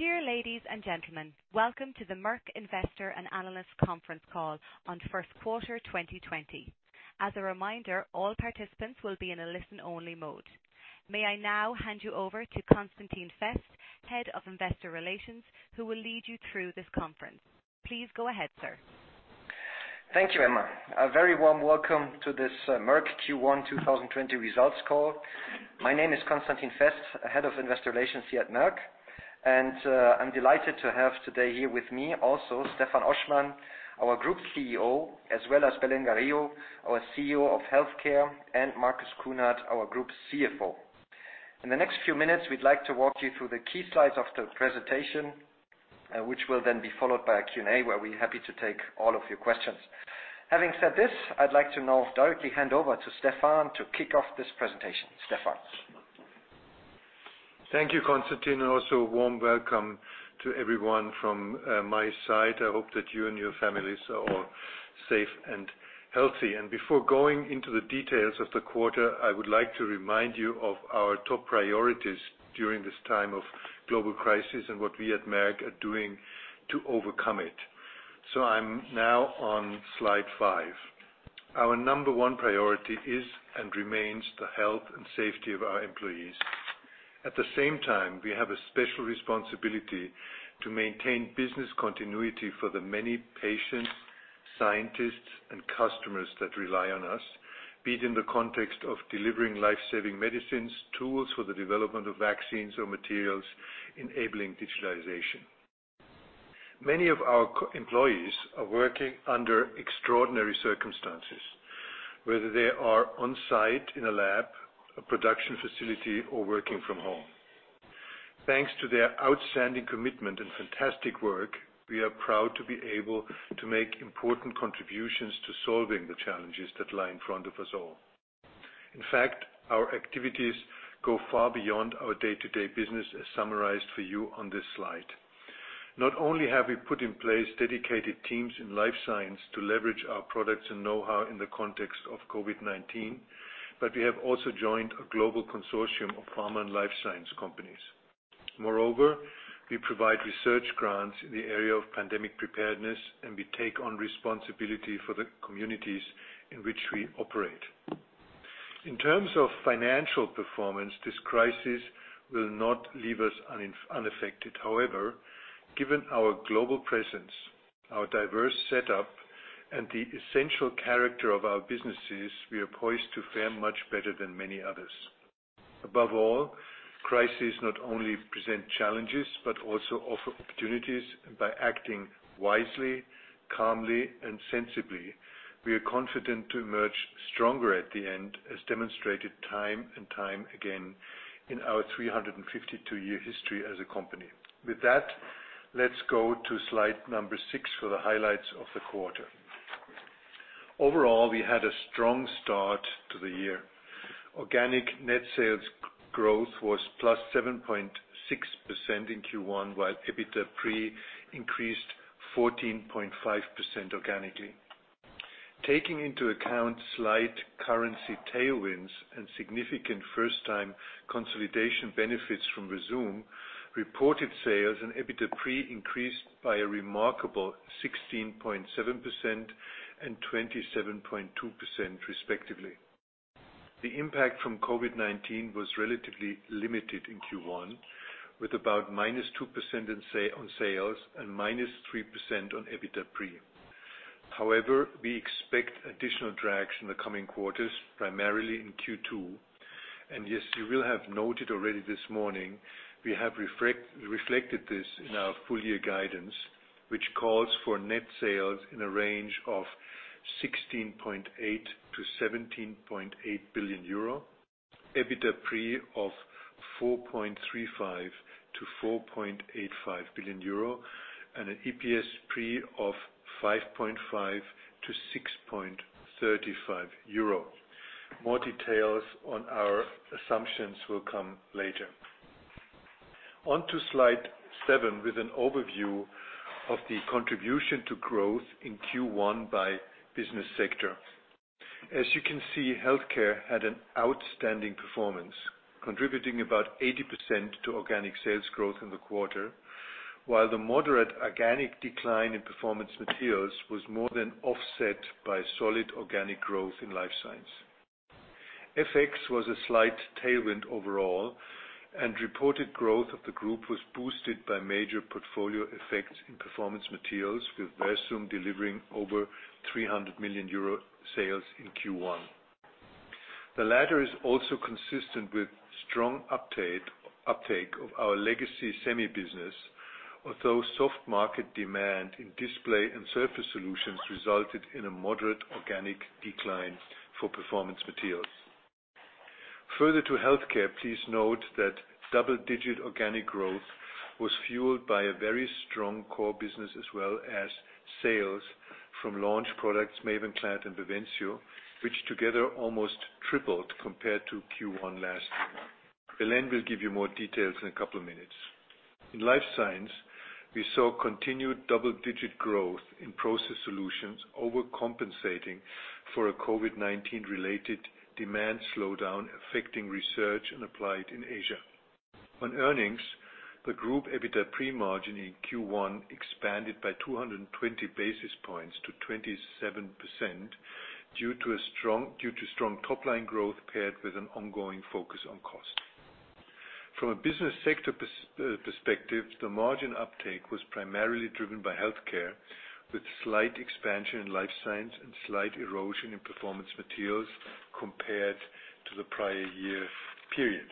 Dear ladies and gentlemen, welcome to the Merck Investor and Analyst Conference Call on first quarter 2020. As a reminder, all participants will be in a listen-only mode. May I now hand you over to Constantin Fest, Head of Investor Relations, who will lead you through this conference. Please go ahead, sir. Thank you, Emma. A very warm welcome to this Merck Q1 2020 results call. My name is Constantin Fest, Head of Investor Relations here at Merck, and I'm delighted to have today here with me also Stefan Oschmann, our Group CEO, as well as Belén Garijo, our CEO of Healthcare, and Marcus Kuhnert, our Group CFO. In the next few minutes, we'd like to walk you through the key slides of the presentation, which will then be followed by a Q&A, where we're happy to take all of your questions. Having said this, I'd like to now directly hand over to Stefan to kick off this presentation. Stefan? Thank you, Constantin. Warm welcome to everyone from my side. I hope that you and your families are all safe and healthy. Before going into the details of the quarter, I would like to remind you of our top priorities during this time of global crisis and what we at Merck are doing to overcome it. I'm now on slide five. Our number one priority is and remains the health and safety of our employees. At the same time, we have a special responsibility to maintain business continuity for the many patients, scientists, and customers that rely on us, be it in the context of delivering life-saving medicines, tools for the development of vaccines or materials enabling digitalization. Many of our employees are working under extraordinary circumstances, whether they are on-site in a lab, a production facility, or working from home. Thanks to their outstanding commitment and fantastic work, we are proud to be able to make important contributions to solving the challenges that lie in front of us all. In fact, our activities go far beyond our day-to-day business, as summarized for you on this slide. Not only have we put in place dedicated teams in Life Science to leverage our products and know-how in the context of COVID-19, but we have also joined a global consortium of pharma and life science companies. Moreover, we provide research grants in the area of pandemic preparedness, and we take on responsibility for the communities in which we operate. In terms of financial performance, this crisis will not leave us unaffected. However, given our global presence, our diverse setup, and the essential character of our businesses, we are poised to fare much better than many others. Above all, crises not only present challenges but also offer opportunities by acting wisely, calmly, and sensibly. We are confident to emerge stronger at the end, as demonstrated time and time again in our 352-year history as a company. With that, let's go to slide number six for the highlights of the quarter. Overall, we had a strong start to the year. Organic net sales growth was +7.6% in Q1, while EBITDA pre increased 14.5% organically. Taking into account slight currency tailwinds and significant first-time consolidation benefits from Versum, reported sales and EBITDA pre increased by a remarkable 16.7% and 27.2% respectively. The impact from COVID-19 was relatively limited in Q1, with about -2% on sales and -3% on EBITDA pre. We expect additional drags in the coming quarters, primarily in Q2. Yes, you will have noted already this morning, we have reflected this in our full year guidance, which calls for net sales in a range of 16.8 billion-17.8 billion euro, EBITDA pre of 4.35 billion-4.85 billion euro, and an EPS pre of 5.5-6.35 euro. More details on our assumptions will come later. On to slide seven with an overview of the contribution to growth in Q1 by business sector. As you can see, Healthcare had an outstanding performance, contributing about 80% to organic sales growth in the quarter, while the moderate organic decline in Performance Materials was more than offset by solid organic growth in Life Science. FX was a slight tailwind overall, reported growth of the group was boosted by major portfolio effects in Performance Materials, with Versum delivering over 300 million euro sales in Q1. The latter is also consistent with strong uptake of our legacy semi business, although soft market demand in Display Solutions and Surface Solutions resulted in a moderate organic decline for Performance Materials. Further to Healthcare, please note that double-digit organic growth was fueled by a very strong core business as well as sales from launch products, MAVENCLAD and BAVENCIO, which together almost tripled compared to Q1 last year. Belén will give you more details in a couple of minutes. In Life Science. We saw continued double-digit growth in process solutions, overcompensating for a COVID-19 related demand slowdown affecting research and applied in Asia. On earnings, the group EBITDA pre-margin in Q1 expanded by 220 basis points to 27% due to strong top-line growth paired with an ongoing focus on cost. From a business sector perspective, the margin uptake was primarily driven by Healthcare, with slight expansion in Life Science and slight erosion in Performance Materials compared to the prior year period.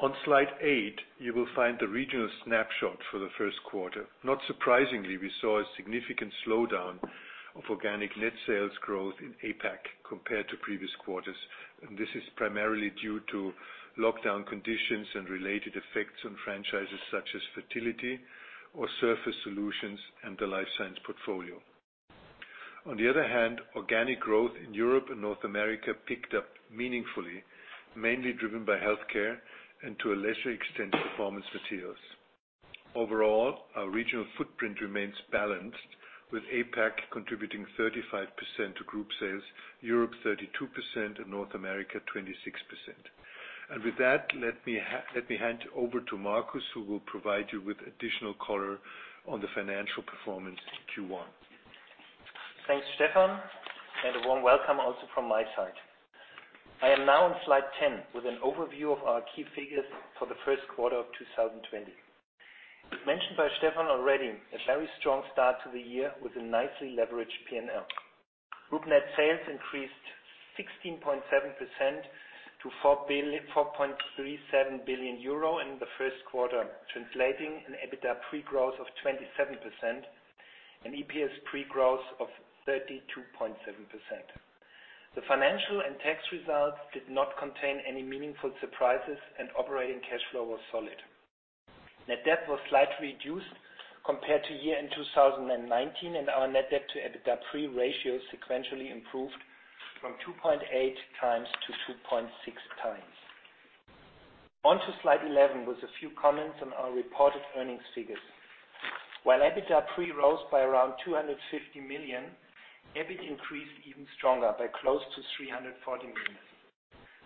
On slide eight, you will find the regional snapshot for the first quarter. Not surprisingly, we saw a significant slowdown of organic net sales growth in APAC compared to previous quarters, and this is primarily due to lockdown conditions and related effects on franchises such as fertility or Surface Solutions and the Life Science portfolio. On the other hand, organic growth in Europe and North America picked up meaningfully, mainly driven by Healthcare and to a lesser extent, Performance Materials. Overall, our regional footprint remains balanced, with APAC contributing 35% to group sales, Europe 32%, and North America 26%. With that, let me hand over to Marcus, who will provide you with additional color on the financial performance in Q1. Thanks, Stefan, and a warm welcome also from my side. I am now on slide 10 with an overview of our key figures for the first quarter of 2020. As mentioned by Stefan already, a very strong start to the year with a nicely leveraged P&L. Group net sales increased 16.7% to 4.37 billion euro in the first quarter, translating an EBITDA pre-growth of 27% and EPS pre-growth of 32.7%. The financial and tax results did not contain any meaningful surprises, and operating cash flow was solid. Net debt was slightly reduced compared to year-end 2019, and our net debt to EBITDA pre-ratio sequentially improved from 2.8 times to 2.6 times. On to slide 11, with a few comments on our reported earnings figures. While EBITDA pre-rose by around 250 million, EBIT increased even stronger by close to 340 million.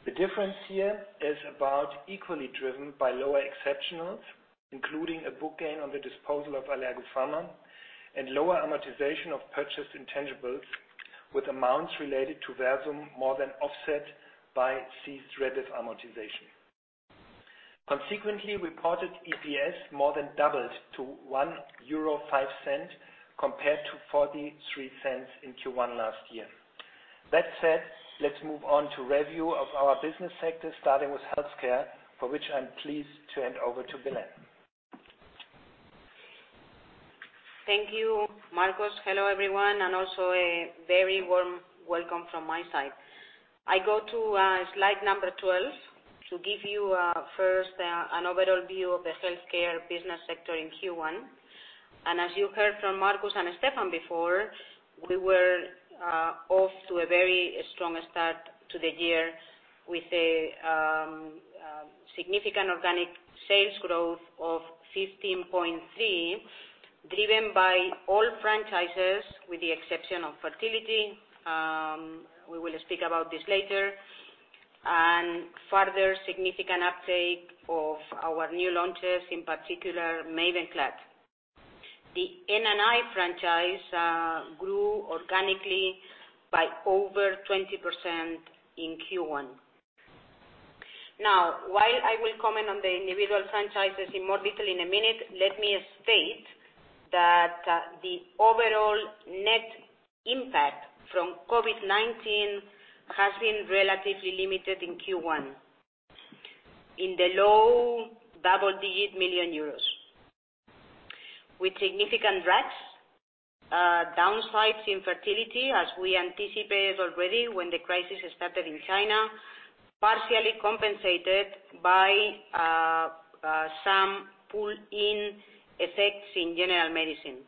The difference here is about equally driven by lower exceptionals, including a book gain on the disposal of Allergopharma, and lower amortization of purchased intangibles with amounts related to Versum, more than offset by ceased Rebif amortization. Consequently, reported EPS more than doubled to 1.05 euro compared to 0.43 in Q1 last year. That said, let's move on to review of our business sector, starting with healthcare, for which I'm pleased to hand over to Belén. Thank you, Marcus. Hello, everyone, also a very warm welcome from my side. I go to slide number 12 to give you first an overall view of the Healthcare business sector in Q1. As you heard from Marcus and Stefan before, we were off to a very strong start to the year with a significant organic sales growth of 15.3, driven by all franchises, with the exception of fertility. We will speak about this later. Further significant uptake of our new launches, in particular MAVENCLAD. The N&I franchise grew organically by over 20% in Q1. Now, while I will comment on the individual franchises in more detail in a minute, let me state that the overall net impact from COVID-19 has been relatively limited in Q1. In the low double-digit million EUR. With significant drags downsides in fertility, as we anticipated already when the crisis started in China, partially compensated by some pull-in effects in general medicine.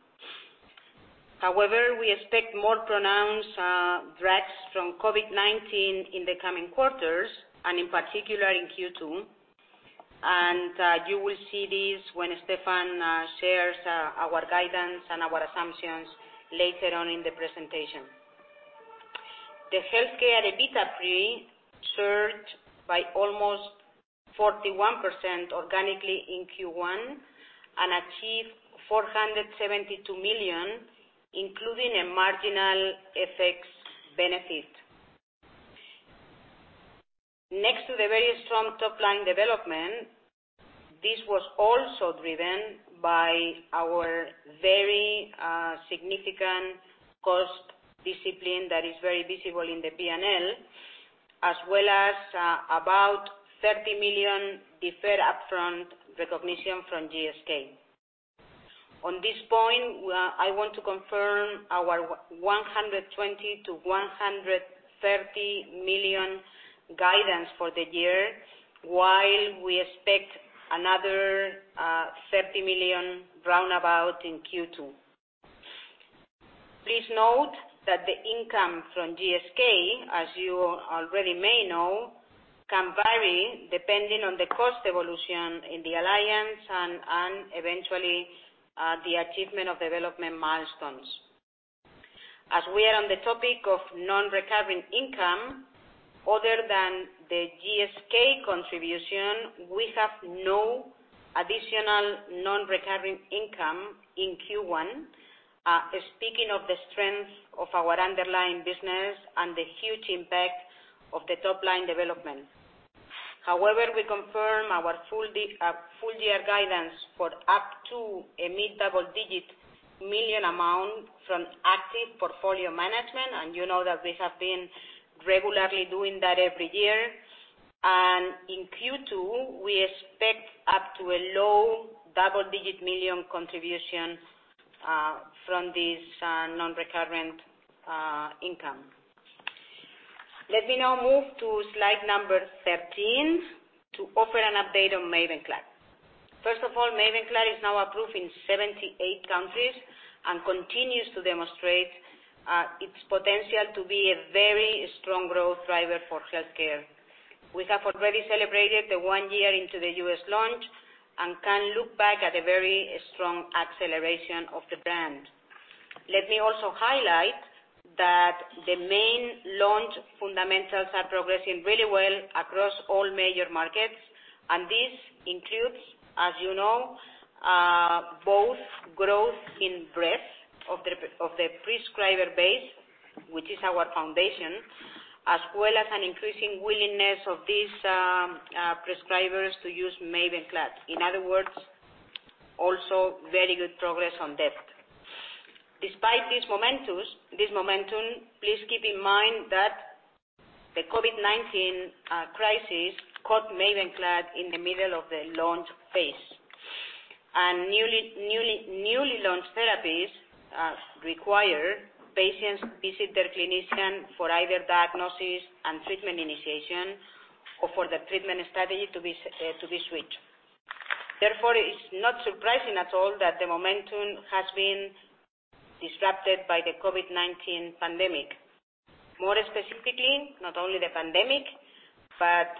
We expect more pronounced drags from COVID-19 in the coming quarters and in particular in Q2. You will see this when Stefan shares our guidance and our assumptions later on in the presentation. The Healthcare EBITDA pre surged by almost 41% organically in Q1 and achieved 472 million, including a marginal effects benefit. Next to the very strong top-line development, this was also driven by our very significant cost discipline that is very visible in the P&L, as well as about 30 million deferred upfront recognition from GSK. On this point, I want to confirm our 120 million to 130 million guidance for the year, while we expect another 30 million roundabout in Q2. Please note that the income from GSK, as you already may know, can vary depending on the cost evolution in the alliance and eventually, the achievement of development milestones. As we are on the topic of non-recurring income, other than the GSK contribution, we have no additional non-recurring income in Q1. Speaking of the strength of our underlying business and the huge impact of the top-line development. We confirm our full year guidance for up to a mid-double digit million EUR amount from active portfolio management, and you know that we have been regularly doing that every year. In Q2, we expect up to a low double-digit million EUR contribution from this non-recurrent income. Let me now move to slide number 13 to offer an update on MAVENCLAD. First of all, MAVENCLAD is now approved in 78 countries and continues to demonstrate its potential to be a very strong growth driver for healthcare. We have already celebrated the one year into the U.S. launch and can look back at a very strong acceleration of the brand. Let me also highlight that the main launch fundamentals are progressing really well across all major markets. This includes, as you know, both growth in breadth of the prescriber base, which is our foundation, as well as an increasing willingness of these prescribers to use MAVENCLAD. In other words, also very good progress on depth. Despite this momentum, please keep in mind that the COVID-19 crisis caught MAVENCLAD in the middle of the launch phase. Newly launched therapies require patients visit their clinician for either diagnosis and treatment initiation or for the treatment strategy to be switched. Therefore, it is not surprising at all that the momentum has been disrupted by the COVID-19 pandemic. More specifically, not only the pandemic, but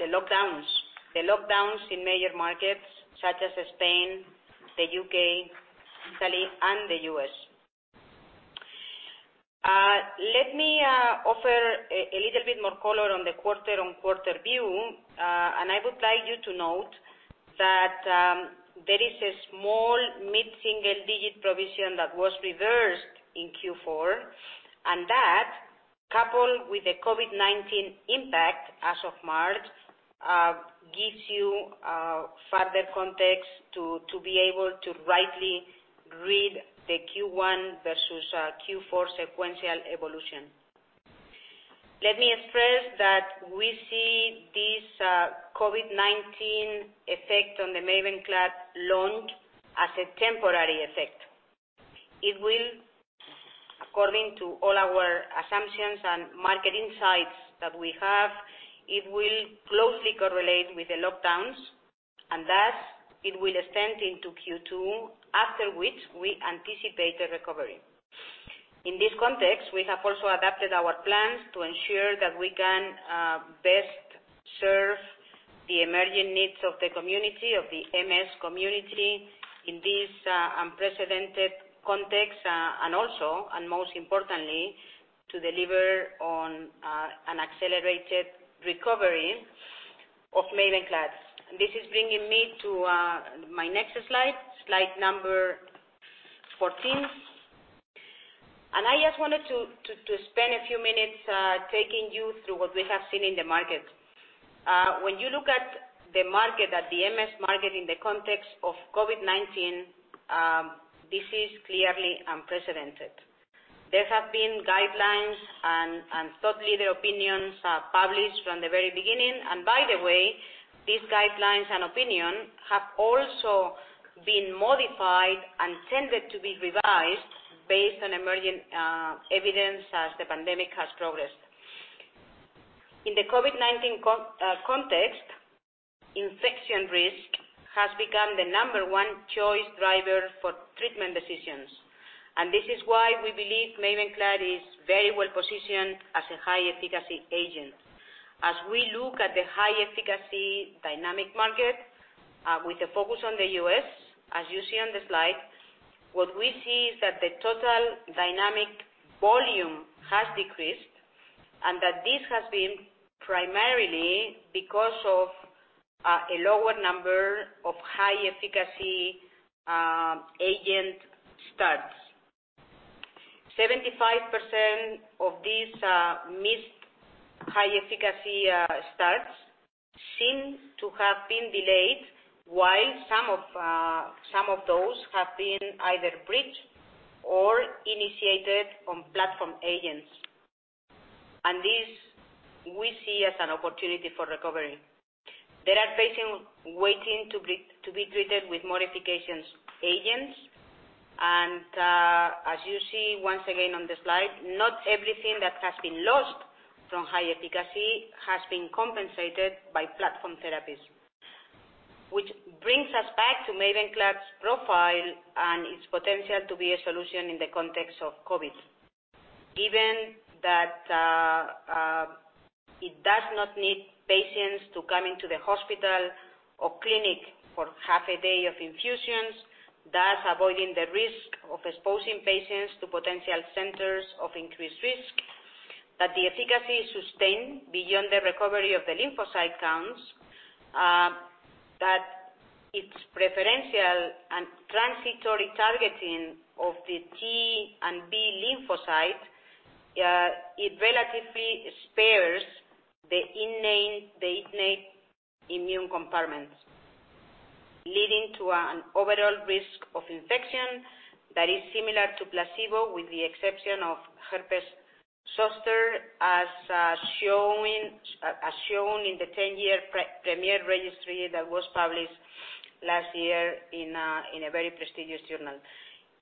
the lockdowns. The lockdowns in major markets such as Spain, the U.K., Italy, and the U.S. Let me offer a little bit more color on the quarter-on-quarter view. I would like you to note that there is a small mid-single digit provision that was reversed in Q4, and that, coupled with the COVID-19 impact as of March, gives you further context to be able to rightly read the Q1 versus Q4 sequential evolution. Let me express that we see this COVID-19 effect on the MAVENCLAD launch as a temporary effect. According to all our assumptions and market insights that we have, it will closely correlate with the lockdowns, and thus, it will extend into Q2, after which we anticipate a recovery. In this context, we have also adapted our plans to ensure that we can best serve the emerging needs of the community, of the MS community, in this unprecedented context, and most importantly, to deliver on an accelerated recovery of MAVENCLAD. This is bringing me to my next slide number 14. I just wanted to spend a few minutes taking you through what we have seen in the market. When you look at the market, at the MS market in the context of COVID-19, this is clearly unprecedented. There have been guidelines and thought leader opinions published from the very beginning. By the way, these guidelines and opinion have also been modified and tended to be revised based on emerging evidence as the pandemic has progressed. In the COVID-19 context, infection risk has become the number 1 choice driver for treatment decisions. This is why we believe MAVENCLAD is very well positioned as a high-efficacy agent. As we look at the high-efficacy dynamic market, with a focus on the U.S., as you see on the slide, what we see is that the total dynamic volume has decreased, and that this has been primarily because of a lower number of high-efficacy agent starts. 75% of these missed high-efficacy starts seem to have been delayed while some of those have been either bridged or initiated on platform agents. This we see as an opportunity for recovery. There are patients waiting to be treated with more efficacy agents and, as you see once again on the slide, not everything that has been lost from high efficacy has been compensated by platform therapies. Which brings us back to MAVENCLAD's profile and its potential to be a solution in the context of COVID. Given that it does not need patients to come into the hospital or clinic for half a day of infusions, thus avoiding the risk of exposing patients to potential centers of increased risk, that the efficacy is sustained beyond the recovery of the lymphocyte counts, that its preferential and transitory targeting of the T and B lymphocytes, it relatively spares the innate immune compartments, leading to an overall risk of infection that is similar to placebo, with the exception of herpes zoster, as shown in the 10-year PREMIERE registry that was published last year in a very prestigious journal.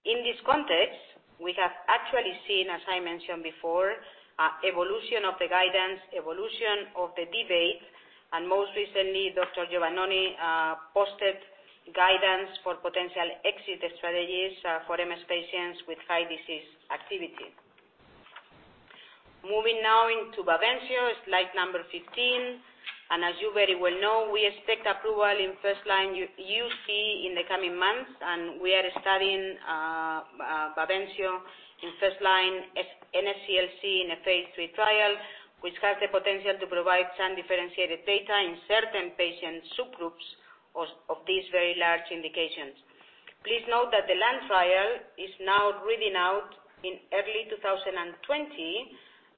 In this context, we have actually seen, as I mentioned before, evolution of the guidance, evolution of the debate, and most recently, Dr. Giovannoni posted guidance for potential exit strategies for MS patients with high disease activity. Moving now into BAVENCIO, slide number 15. As you very well know, we expect approval in first-line UC in the coming months, and we are studying BAVENCIO in first-line NSCLC in a phase III trial, which has the potential to provide some differentiated data in certain patient subgroups of these very large indications. Please note that the Lung trial is now reading out in early 2020.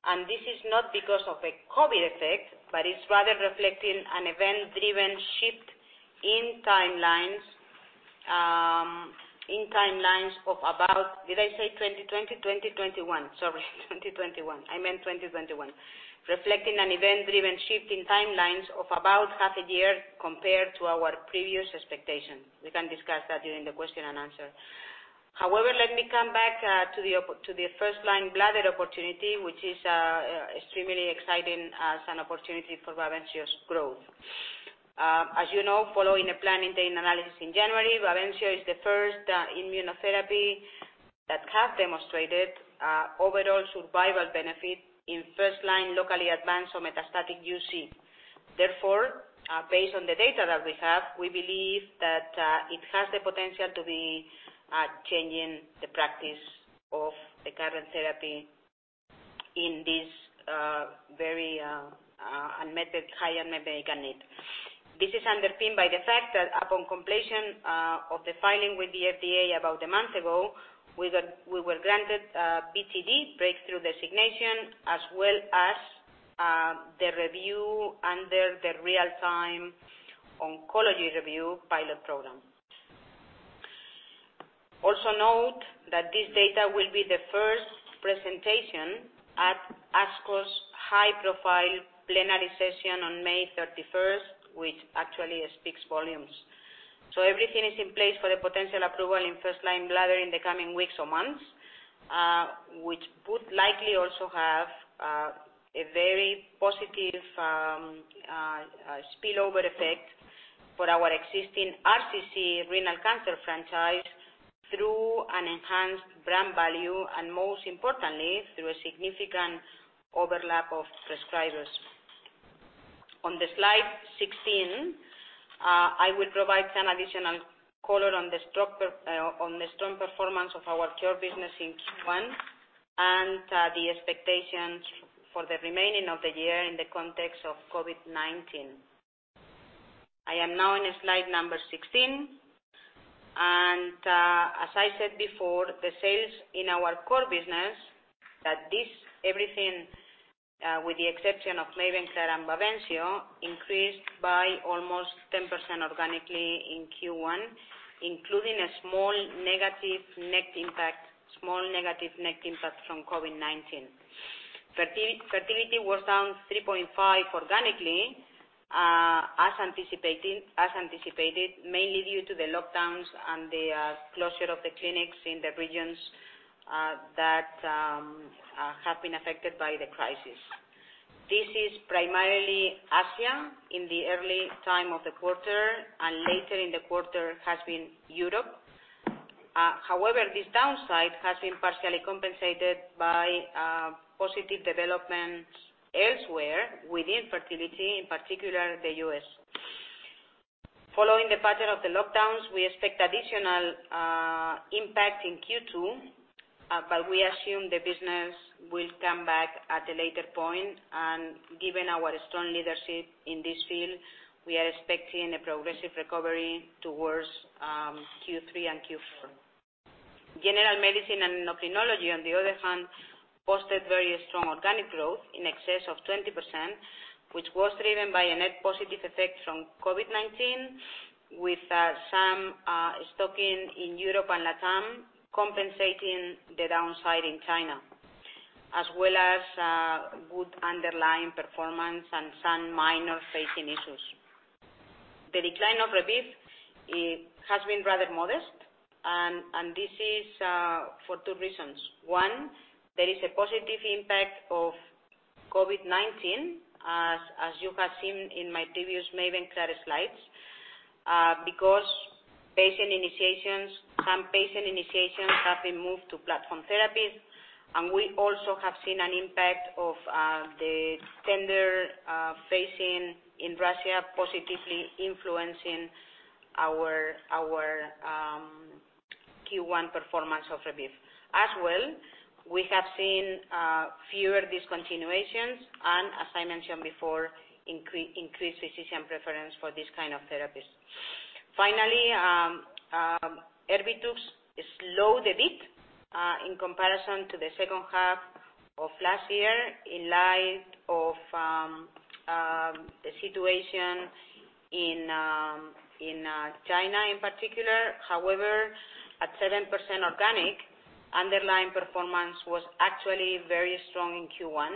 This is not because of a COVID effect, it's rather reflecting an event-driven shift in timelines of about Did I say 2020? 2021. Sorry. 2021. I meant 2021. Reflecting an event-driven shift in timelines of about half a year compared to our previous expectation. We can discuss that during the question and answer. Let me come back to the first-line bladder opportunity, which is extremely exciting as an opportunity for BAVENCIO's growth. As you know, following a planning data analysis in January, BAVENCIO is the first immunotherapy that has demonstrated overall survival benefit in first-line locally advanced or metastatic UC. Therefore, based on the data that we have, we believe that it has the potential to be changing the practice of the current therapy in this very high unmet medical need. This is underpinned by the fact that upon completion of the filing with the FDA about a month ago, we were granted a BTD, breakthrough designation, as well as the review under the Real-Time Oncology Review Pilot Program. Also note that this data will be the first presentation at ASCO's high-profile plenary session on May 31st, which actually speaks volumes. Everything is in place for the potential approval in first-line bladder in the coming weeks or months, which would likely also have a very positive spillover effect for our existing RCC renal cancer franchise through an enhanced brand value and most importantly, through a significant overlap of prescribers. On slide 16, I will provide some additional color on the strong performance of our core business in Q1 and the expectations for the remaining of the year in the context of COVID-19. I am now on slide number 16. As I said before, the sales in our core business that is everything, with the exception of MAVENCLAD and BAVENCIO, increased by almost 10% organically in Q1, including a small negative net impact from COVID-19. Fertility was down 3.5% organically, as anticipated, mainly due to the lockdowns and the closure of the clinics in the regions that have been affected by the crisis. This is primarily Asia in the early time of the quarter, and later in the quarter has been Europe. However, this downside has been partially compensated by positive developments elsewhere within fertility, in particular the U.S. Following the pattern of the lockdowns, we expect additional impact in Q2. We assume the business will come back at a later point, and given our strong leadership in this field, we are expecting a progressive recovery towards Q3 and Q4. General medicine and endocrinology, on the other hand, posted very strong organic growth in excess of 20%, which was driven by a net positive effect from COVID-19, with some stocking in Europe and LATAM compensating the downside in China, as well as good underlying performance and some minor pacing issues. The decline of Rebif has been rather modest. This is for two reasons. One, there is a positive impact of COVID-19, as you have seen in my previous MAVENCLAD slides, because some patient initiations have been moved to platform therapies, and we also have seen an impact of the tender phasing in Russia positively influencing our Q1 performance of Rebif. As well, we have seen fewer discontinuations and, as I mentioned before, increased physician preference for this kind of therapies. Finally, Erbitux slowed a bit in comparison to the second half of last year in light of the situation in China in particular. However, at 7% organic, underlying performance was actually very strong in Q1,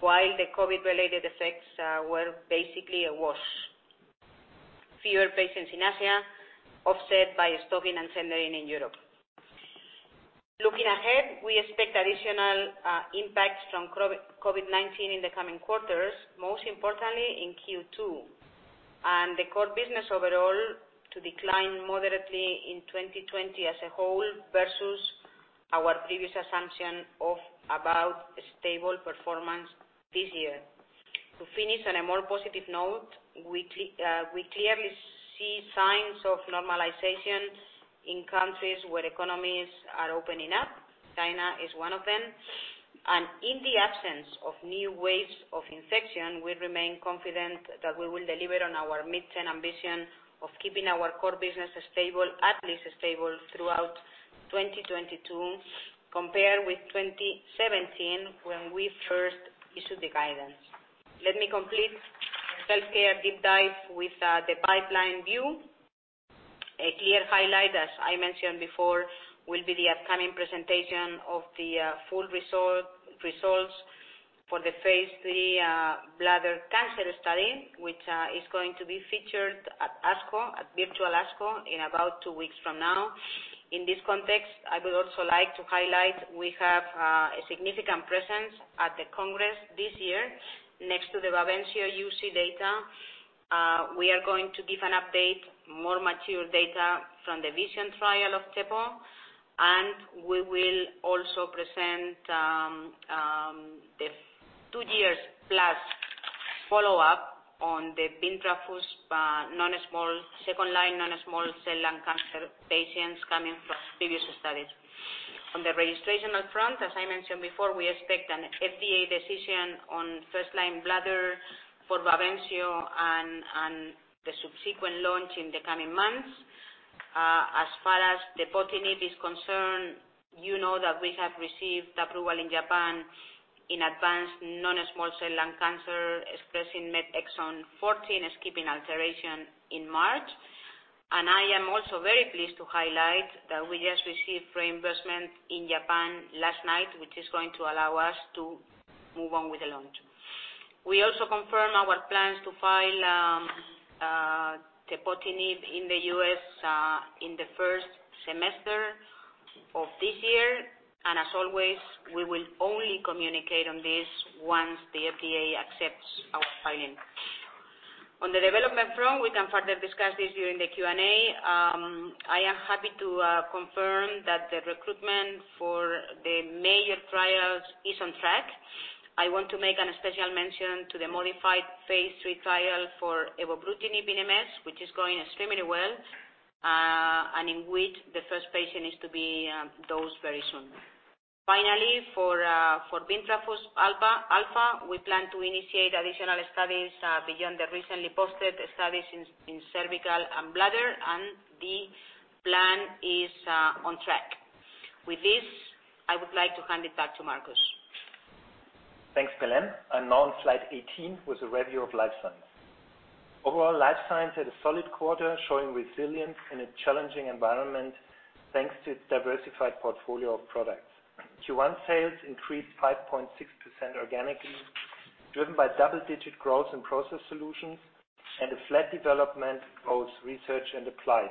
while the COVID-related effects were basically a wash. Fewer patients in Asia offset by stocking and tendering in Europe. Looking ahead, we expect additional impacts from COVID-19 in the coming quarters, most importantly in Q2. The core business overall to decline moderately in 2020 as a whole versus our previous assumption of about a stable performance this year. To finish on a more positive note, we clearly see signs of normalization in countries where economies are opening up. China is one of them. In the absence of new waves of infection, we remain confident that we will deliver on our mid-term ambition of keeping our core business stable, at least stable, throughout 2022 compared with 2017 when we first issued the guidance. Let me complete the Healthcare deep dive with the pipeline view. A clear highlight, as I mentioned before, will be the upcoming presentation of the full results for the phase III bladder cancer study, which is going to be featured at virtual ASCO in about two weeks from now. In this context, I would also like to highlight we have a significant presence at the congress this year. Next to the BAVENCIO UC data, we are going to give an update, more mature data from the VISION trial of tepotinib, we will also present the two years-plus follow-up on the bintrafusp second-line non-small cell lung cancer patients coming from previous studies. On the registrational front, as I mentioned before, we expect an FDA decision on first-line bladder for BAVENCIO and the subsequent launch in the coming months. As far as tepotinib is concerned, you know that we have received approval in Japan in advanced non-small cell lung cancer expressing MET exon 14 skipping alteration in March. I am also very pleased to highlight that we just received reimbursement in Japan last night, which is going to allow us to move on with the launch. We also confirm our plans to file tepotinib in the U.S. in the first semester of this year, and as always, we will only communicate on this once the FDA accepts our filing. On the development front, we can further discuss this during the Q&A. I am happy to confirm that the recruitment for the major trials is on track. I want to make a special mention to the modified phase III trial for evobrutinib, which is going extremely well, and in which the first patient is to be dosed very soon. Finally, for bintrafusp alfa, we plan to initiate additional studies beyond the recently posted studies in cervical and bladder, and the plan is on track. With this, I would like to hand it back to Marcus. Thanks, Belén. Now on slide 18 with a review of Life Science. Overall, Life Science had a solid quarter, showing resilience in a challenging environment, thanks to its diversified portfolio of products. Q1 sales increased 5.6% organically, driven by double-digit growth in process solutions and a flat development both research and applied.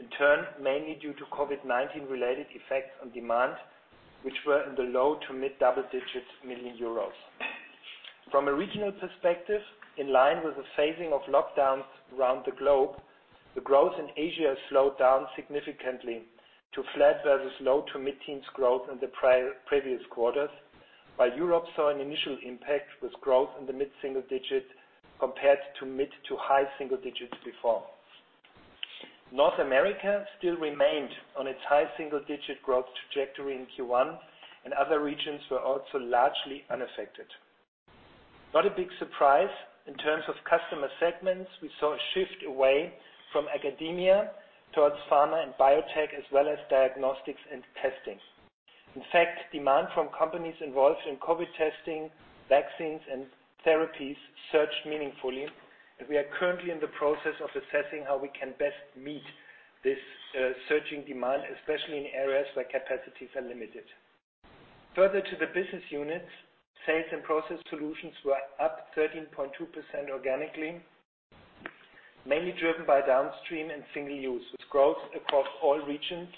In turn, mainly due to COVID-19 related effects on demand, which were in the low to mid double-digits million EUR. From a regional perspective, in line with the phasing of lockdowns around the globe, the growth in Asia slowed down significantly to flat versus low to mid-teens growth in the previous quarters, while Europe saw an initial impact with growth in the mid-single digit compared to mid to high single digits before. North America still remained on its high single-digit growth trajectory in Q1, and other regions were also largely unaffected. Not a big surprise, in terms of customer segments, we saw a shift away from academia towards pharma and biotech, as well as diagnostics and testing. In fact, demand from companies involved in COVID testing, vaccines, and therapies surged meaningfully, and we are currently in the process of assessing how we can best meet this surging demand, especially in areas where capacities are limited. Further to the business units, sales and process solutions were up 13.2% organically, mainly driven by downstream and single-use, with growth across all regions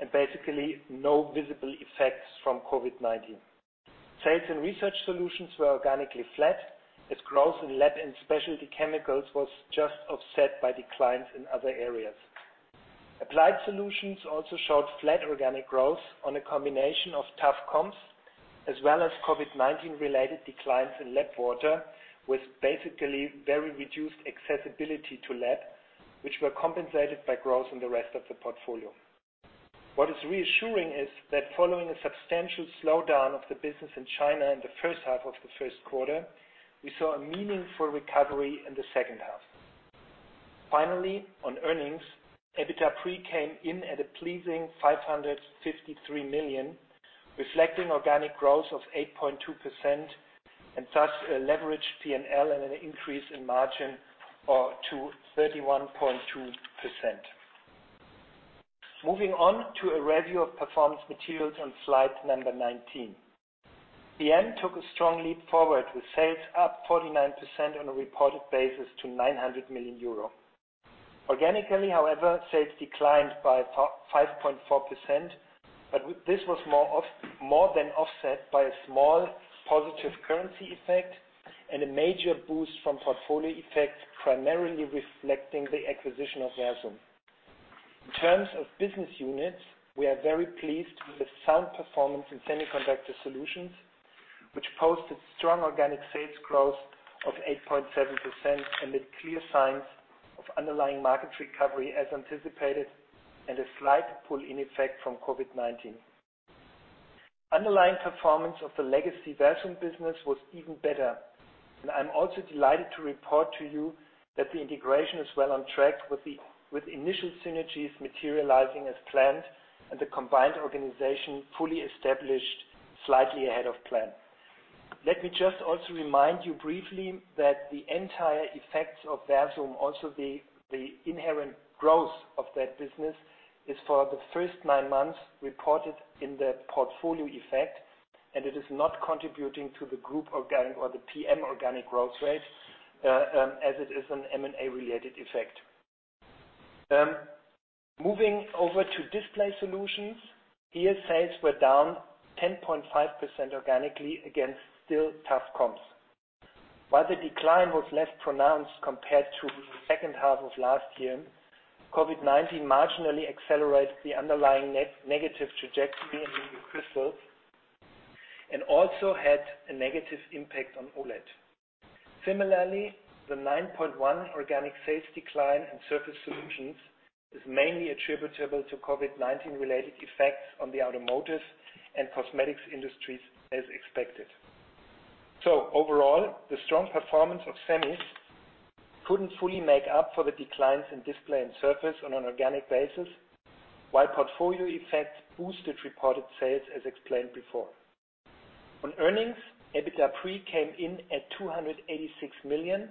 and basically no visible effects from COVID-19. Sales and research solutions were organically flat, as growth in lab and specialty chemicals was just offset by declines in other areas. Applied solutions also showed flat organic growth on a combination of tough comps, as well as COVID-19 related declines in lab water, with basically very reduced accessibility to lab, which were compensated by growth in the rest of the portfolio. What is reassuring is that following a substantial slowdown of the business in China in the first half of the first quarter, we saw a meaningful recovery in the second half. On earnings, EBITDA pre came in at a pleasing 553 million, reflecting organic growth of 8.2% and thus a leveraged P&L and an increase in margin to 31.2%. Moving on to a review of Performance Materials on slide number 19. PM took a strong leap forward with sales up 49% on a reported basis to 900 million euro. Organically, however, sales declined by 5.4%, but this was more than offset by a small positive currency effect and a major boost from portfolio effect, primarily reflecting the acquisition of Versum. In terms of business units, we are very pleased with the sound performance in Semiconductor Solutions, which posted strong organic sales growth of 8.7% amid clear signs of underlying market recovery as anticipated and a slight pull-in effect from COVID-19. Underlying performance of the legacy Versum business was even better, and I'm also delighted to report to you that the integration is well on track with initial synergies materializing as planned and the combined organization fully established slightly ahead of plan. Let me just also remind you briefly that the entire effects of Versum, also the inherent growth of that business, is for the first nine months reported in the portfolio effect, and it is not contributing to the group organic or the PM organic growth rate, as it is an M&A-related effect. Moving over to Display Solutions, here sales were down 10.5% organically against still tough comps. While the decline was less pronounced compared to the second half of last year, COVID-19 marginally accelerated the underlying net negative trajectory in liquid crystals and also had a negative impact on OLED. Similarly, the 9.1 organic sales decline in Surface Solutions is mainly attributable to COVID-19 related effects on the automotive and cosmetics industries, as expected. Overall, the strong performance of Semis couldn't fully make up for the declines in Display and Surface on an organic basis, while portfolio effects boosted reported sales, as explained before. On earnings, EBITDA pre came in at 286 million,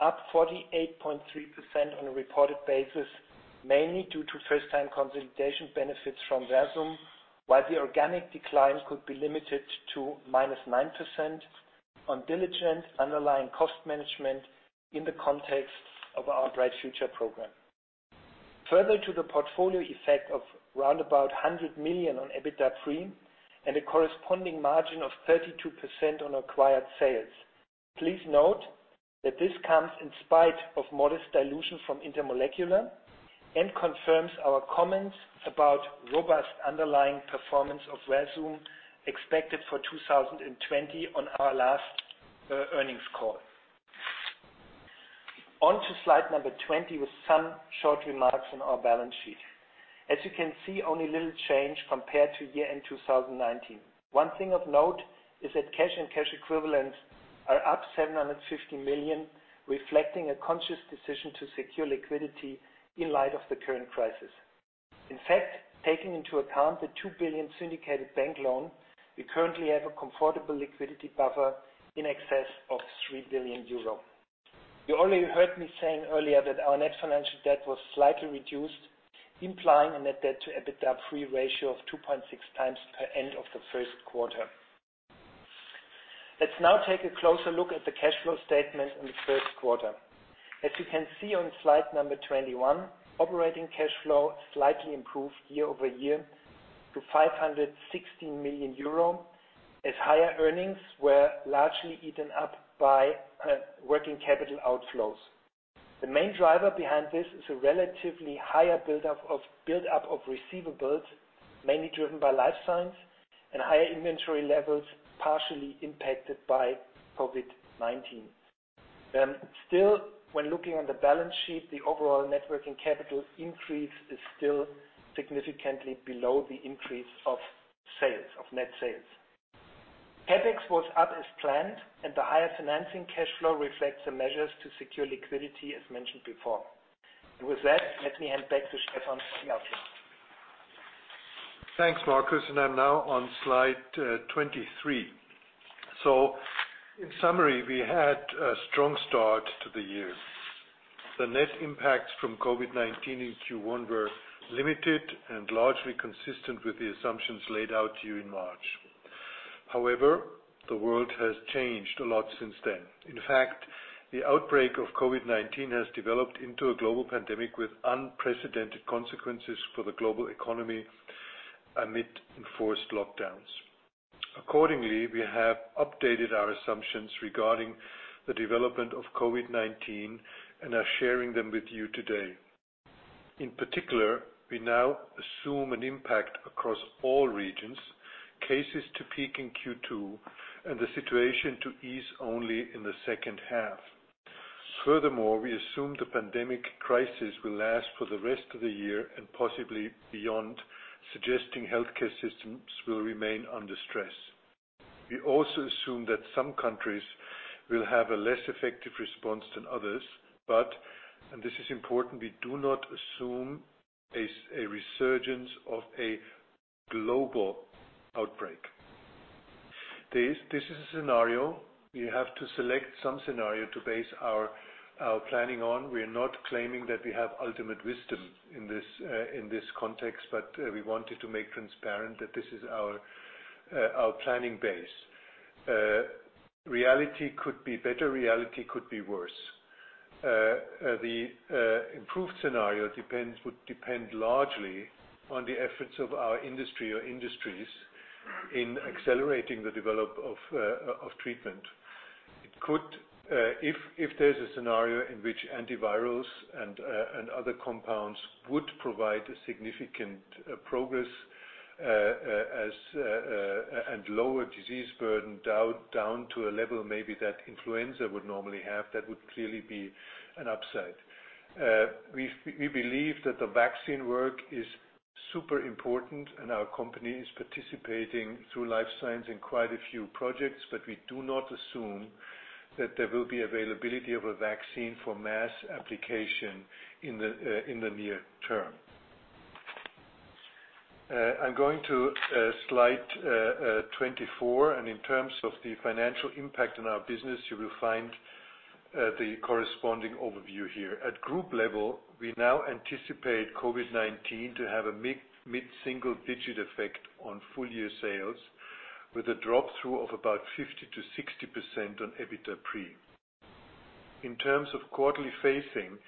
up 48.3% on a reported basis, mainly due to first-time consolidation benefits from Versum, while the organic decline could be limited to minus 9% on diligent underlying cost management in the context of our Bright Future program. Further to the portfolio effect of round about 100 million on EBITDA pre and a corresponding margin of 32% on acquired sales. Please note that this comes in spite of modest dilution from Intermolecular and confirms our comments about robust underlying performance of Versum expected for 2020 on our last earnings call. On to slide number 20 with some short remarks on our balance sheet. As you can see, only little change compared to year-end 2019. One thing of note is that cash and cash equivalents are up 750 million, reflecting a conscious decision to secure liquidity in light of the current crisis. In fact, taking into account the 2 billion syndicated bank loan, we currently have a comfortable liquidity buffer in excess of 3 billion euro. You already heard me saying earlier that our net financial debt was slightly reduced, implying a net debt to EBITDA pre-ratio of 2.6 times per end of the first quarter. Let's now take a closer look at the cash flow statement in the first quarter. As you can see on slide number 21, operating cash flow slightly improved year-over-year to 516 million euro as higher earnings were largely eaten up by working capital outflows. The main driver behind this is a relatively higher buildup of receivables, mainly driven by Life Science and higher inventory levels, partially impacted by COVID-19. Still, when looking on the balance sheet, the overall net working capital increase is still significantly below the increase of net sales. CapEx was up as planned, and the higher financing cash flow reflects the measures to secure liquidity, as mentioned before. With that, let me hand back to Stefan for the outlook. Thanks, Marcus. I'm now on slide 23. In summary, we had a strong start to the year. The net impacts from COVID-19 in Q1 were limited and largely consistent with the assumptions laid out to you in March. However, the world has changed a lot since then. In fact, the outbreak of COVID-19 has developed into a global pandemic with unprecedented consequences for the global economy amid enforced lockdowns. Accordingly, we have updated our assumptions regarding the development of COVID-19 and are sharing them with you today. In particular, we now assume an impact across all regions, cases to peak in Q2, and the situation to ease only in the second half. Furthermore, we assume the pandemic crisis will last for the rest of the year and possibly beyond, suggesting healthcare systems will remain under stress. We also assume that some countries will have a less effective response than others, but, and this is important, we do not assume a resurgence of a global outbreak. This is a scenario. We have to select some scenario to base our planning on. We are not claiming that we have ultimate wisdom in this context. We wanted to make transparent that this is our planning base. Reality could be better, reality could be worse. The improved scenario would depend largely on the efforts of our industry or industries in accelerating the development of treatment. If there is a scenario in which antivirals and other compounds would provide significant progress and lower disease burden down to a level maybe that influenza would normally have, that would clearly be an upside. We believe that the vaccine work is super important. Our company is participating through Life Science in quite a few projects. We do not assume that there will be availability of a vaccine for mass application in the near term. I'm going to slide 24. In terms of the financial impact on our business, you will find the corresponding overview here. At group level, we now anticipate COVID-19 to have a mid-single digit effect on full-year sales, with a drop-through of about 50%-60% on EBITDA pre. In terms of quarterly phasing,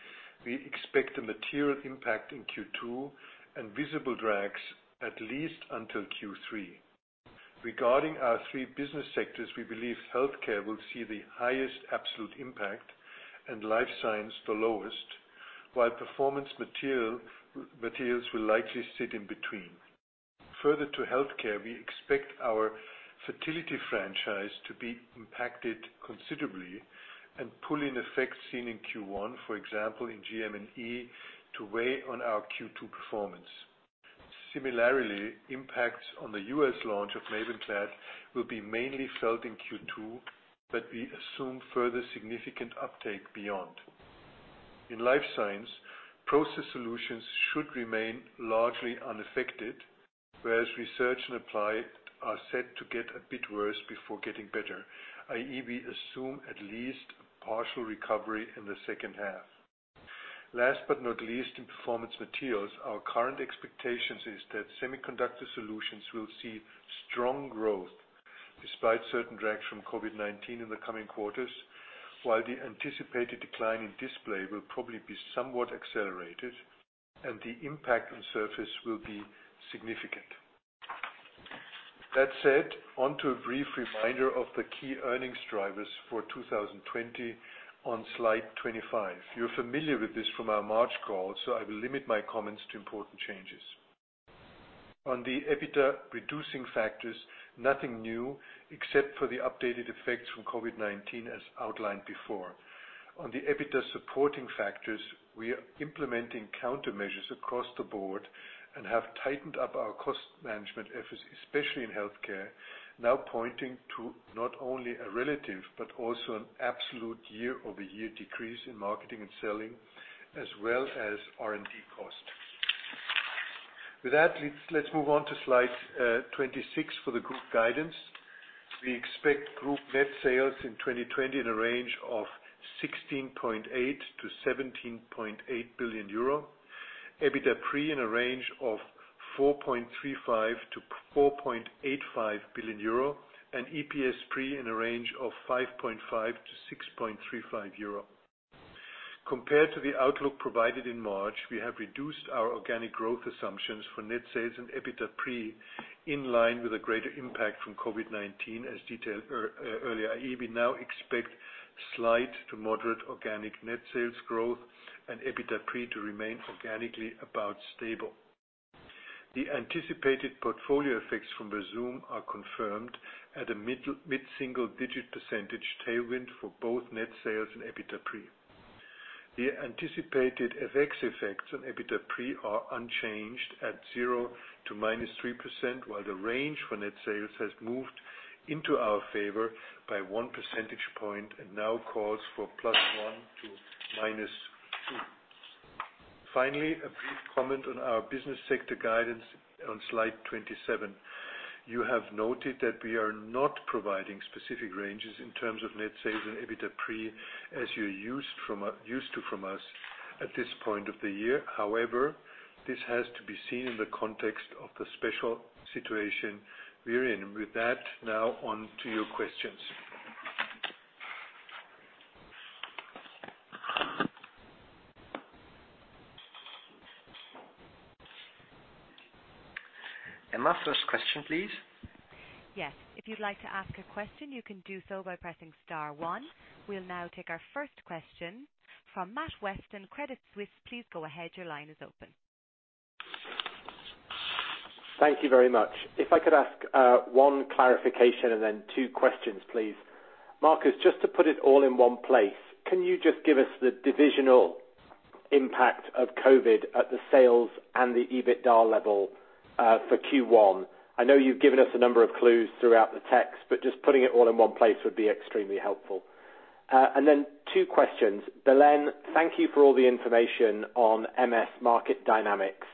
we expect a material impact in Q2 and visible drags at least until Q3. Regarding our three business sectors, we believe Healthcare will see the highest absolute impact and Life Science the lowest, while Performance Materials will likely sit in between. Further to healthcare, we expect our fertility franchise to be impacted considerably and pull-in effects seen in Q1, for example, in GM&E, to weigh on our Q2 performance. Similarly, impacts on the U.S. launch of MAVENCLAD will be mainly felt in Q2, but we assume further significant uptake beyond. In Life Science, process solutions should remain largely unaffected, whereas research and applied are set to get a bit worse before getting better, i.e., we assume at least partial recovery in the second half. Last but not least, in Performance Materials, our current expectation is that Semiconductor Solutions will see strong growth despite certain drags from COVID-19 in the coming quarters, while the anticipated decline in display will probably be somewhat accelerated, and the impact on surface will be significant. That said, onto a brief reminder of the key earnings drivers for 2020 on slide 25. You're familiar with this from our March call, so I will limit my comments to important changes. On the EBITDA-reducing factors, nothing new except for the updated effects from COVID-19 as outlined before. On the EBITDA supporting factors, we are implementing countermeasures across the board and have tightened up our cost management efforts, especially in healthcare, now pointing to not only a relative but also an absolute year-over-year decrease in marketing and selling as well as R&D costs. With that, let's move on to slide 26 for the group guidance. We expect group net sales in 2020 in a range of 16.8 billion-17.8 billion euro, EBITDA pre in a range of 4.35 billion-4.85 billion euro, and EPS pre in a range of 5.5-6.35 euro. Compared to the outlook provided in March, we have reduced our organic growth assumptions for net sales and EBITDA pre in line with a greater impact from COVID-19 as detailed earlier, i.e., we now expect slight to moderate organic net sales growth and EBITDA pre to remain organically about stable. The anticipated portfolio effects from the Versum are confirmed at a mid-single digit % tailwind for both net sales and EBITDA pre. The anticipated FX effects on EBITDA pre are unchanged at 0% to -3%, while the range for net sales has moved into our favor by 1 percentage point and now calls for +1% to -2%. Finally, a brief comment on our business sector guidance on slide 27. You have noted that we are not providing specific ranges in terms of net sales and EBITDA pre as you're used to from us at this point of the year. This has to be seen in the context of the special situation we are in. With that, now on to your questions. My first question, please. Yes. If you'd like to ask a question, you can do so by pressing star one. We'll now take our first question from Matt Weston, Credit Suisse. Please go ahead. Your line is open. Thank you very much. If I could ask one clarification and then two questions, please. Marcus, just to put it all in one place, can you just give us the divisional impact of COVID at the sales and the EBITDA level for Q1? I know you've given us a number of clues throughout the text. Just putting it all in one place would be extremely helpful. Two questions. Belén, thank you for all the information on MS market dynamics.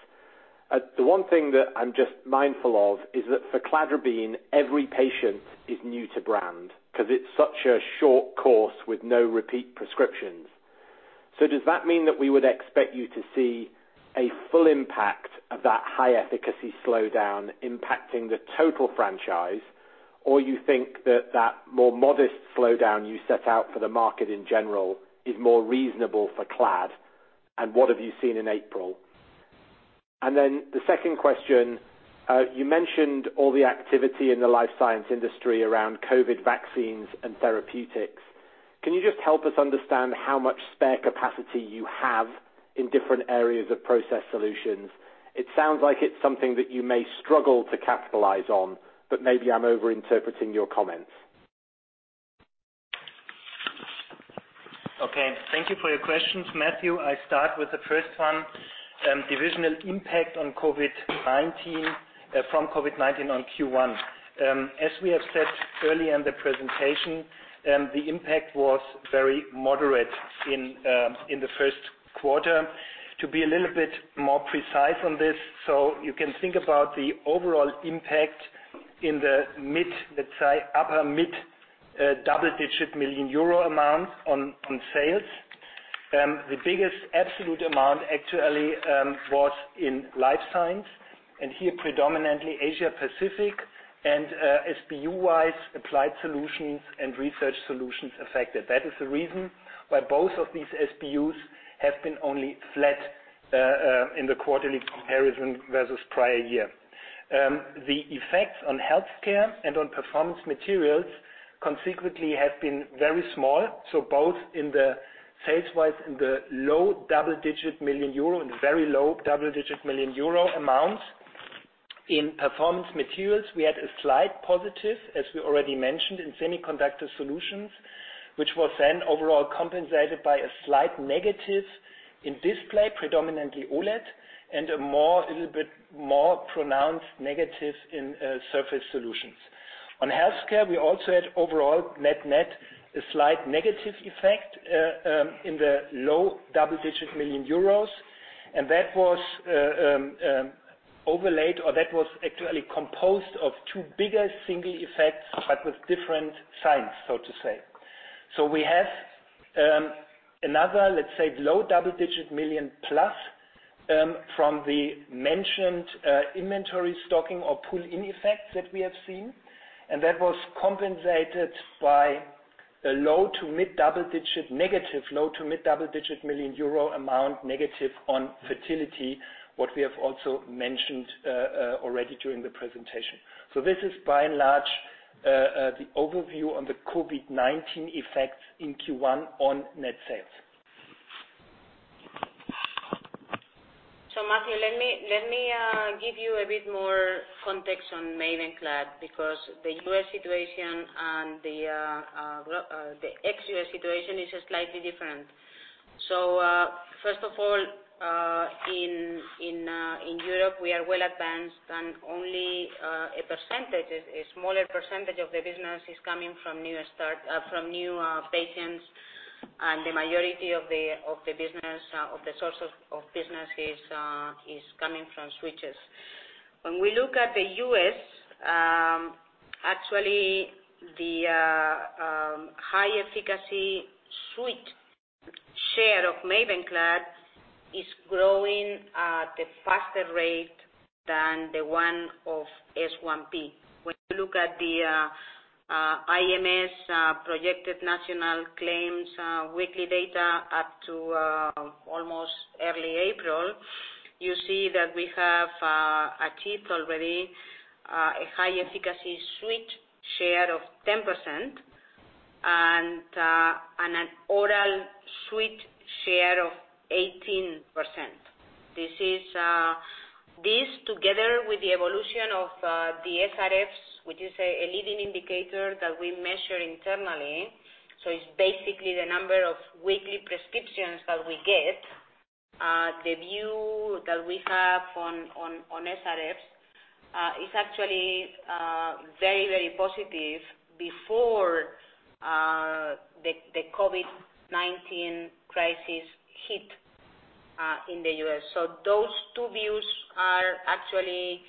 The one thing that I'm just mindful of is that for cladribine, every patient is new to brand because it's such a short course with no repeat prescriptions. Does that mean that we would expect you to see a full impact of that high efficacy slowdown impacting the total franchise? You think that more modest slowdown you set out for the market in general is more reasonable for clad? What have you seen in April? The second question, you mentioned all the activity in the Life Science industry around COVID vaccines and therapeutics. Can you just help us understand how much spare capacity you have in different areas of process solutions? It sounds like it is something that you may struggle to capitalize on, but maybe I am over-interpreting your comments. Okay. Thank you for your questions, Matthew. I start with the first one, divisional impact from COVID-19 on Q1. As we have said earlier in the presentation, the impact was very moderate in the first quarter. To be a little bit more precise on this, you can think about the overall impact in the mid, let's say upper mid double-digit million EUR amount on sales. The biggest absolute amount actually was in Life Science, and here predominantly Asia Pacific and SBU-wise, Applied Solutions and Research Solutions affected. That is the reason why both of these SBUs have been only flat in the quarterly comparison versus prior year. The effects on Healthcare and on Performance Materials consequently have been very small. Both in the sales wide in the low double-digit million EUR, in very low double-digit million EUR amounts. In Performance Materials, we had a slight positive, as we already mentioned in Semiconductor Solutions, which was then overall compensated by a slight negative in display, predominantly OLED, and a little bit more pronounced negative in Surface Solutions. On Healthcare, we also had overall net net a slight negative effect in the low double-digit million EUR, and that was overlaid, or that was actually composed of two bigger single effects, but with different signs, so to say. We have another, let's say, low double-digit million EUR plus from the mentioned inventory stocking or pull-in effects that we have seen, and that was compensated by a low to mid double-digit million EUR amount negative on fertility, what we have also mentioned already during the presentation. This is by and large the overview on the COVID-19 effects in Q1 on net sales. Matthew, let me give you a bit more context on MAVENCLAD because the U.S. situation and the ex-U.S. situation is slightly different. First of all, in Europe, we are well advanced and only a smaller percentage of the business is coming from new patients, and the majority of the source of business is coming from switches. When we look at the U.S., actually the high efficacy switch share of MAVENCLAD is growing at a faster rate than the one of S1P. When you look at the IMS projected national claims weekly data up to almost early April, you see that we have achieved already a high efficacy switch share of 10% and an oral switch share of 18%. This together with the evolution of the SRFs, which is a leading indicator that we measure internally. It's basically the number of weekly prescriptions that we get. The view that we have on SRFs is actually very positive before the COVID-19 crisis hit in the U.S. Those two views are actually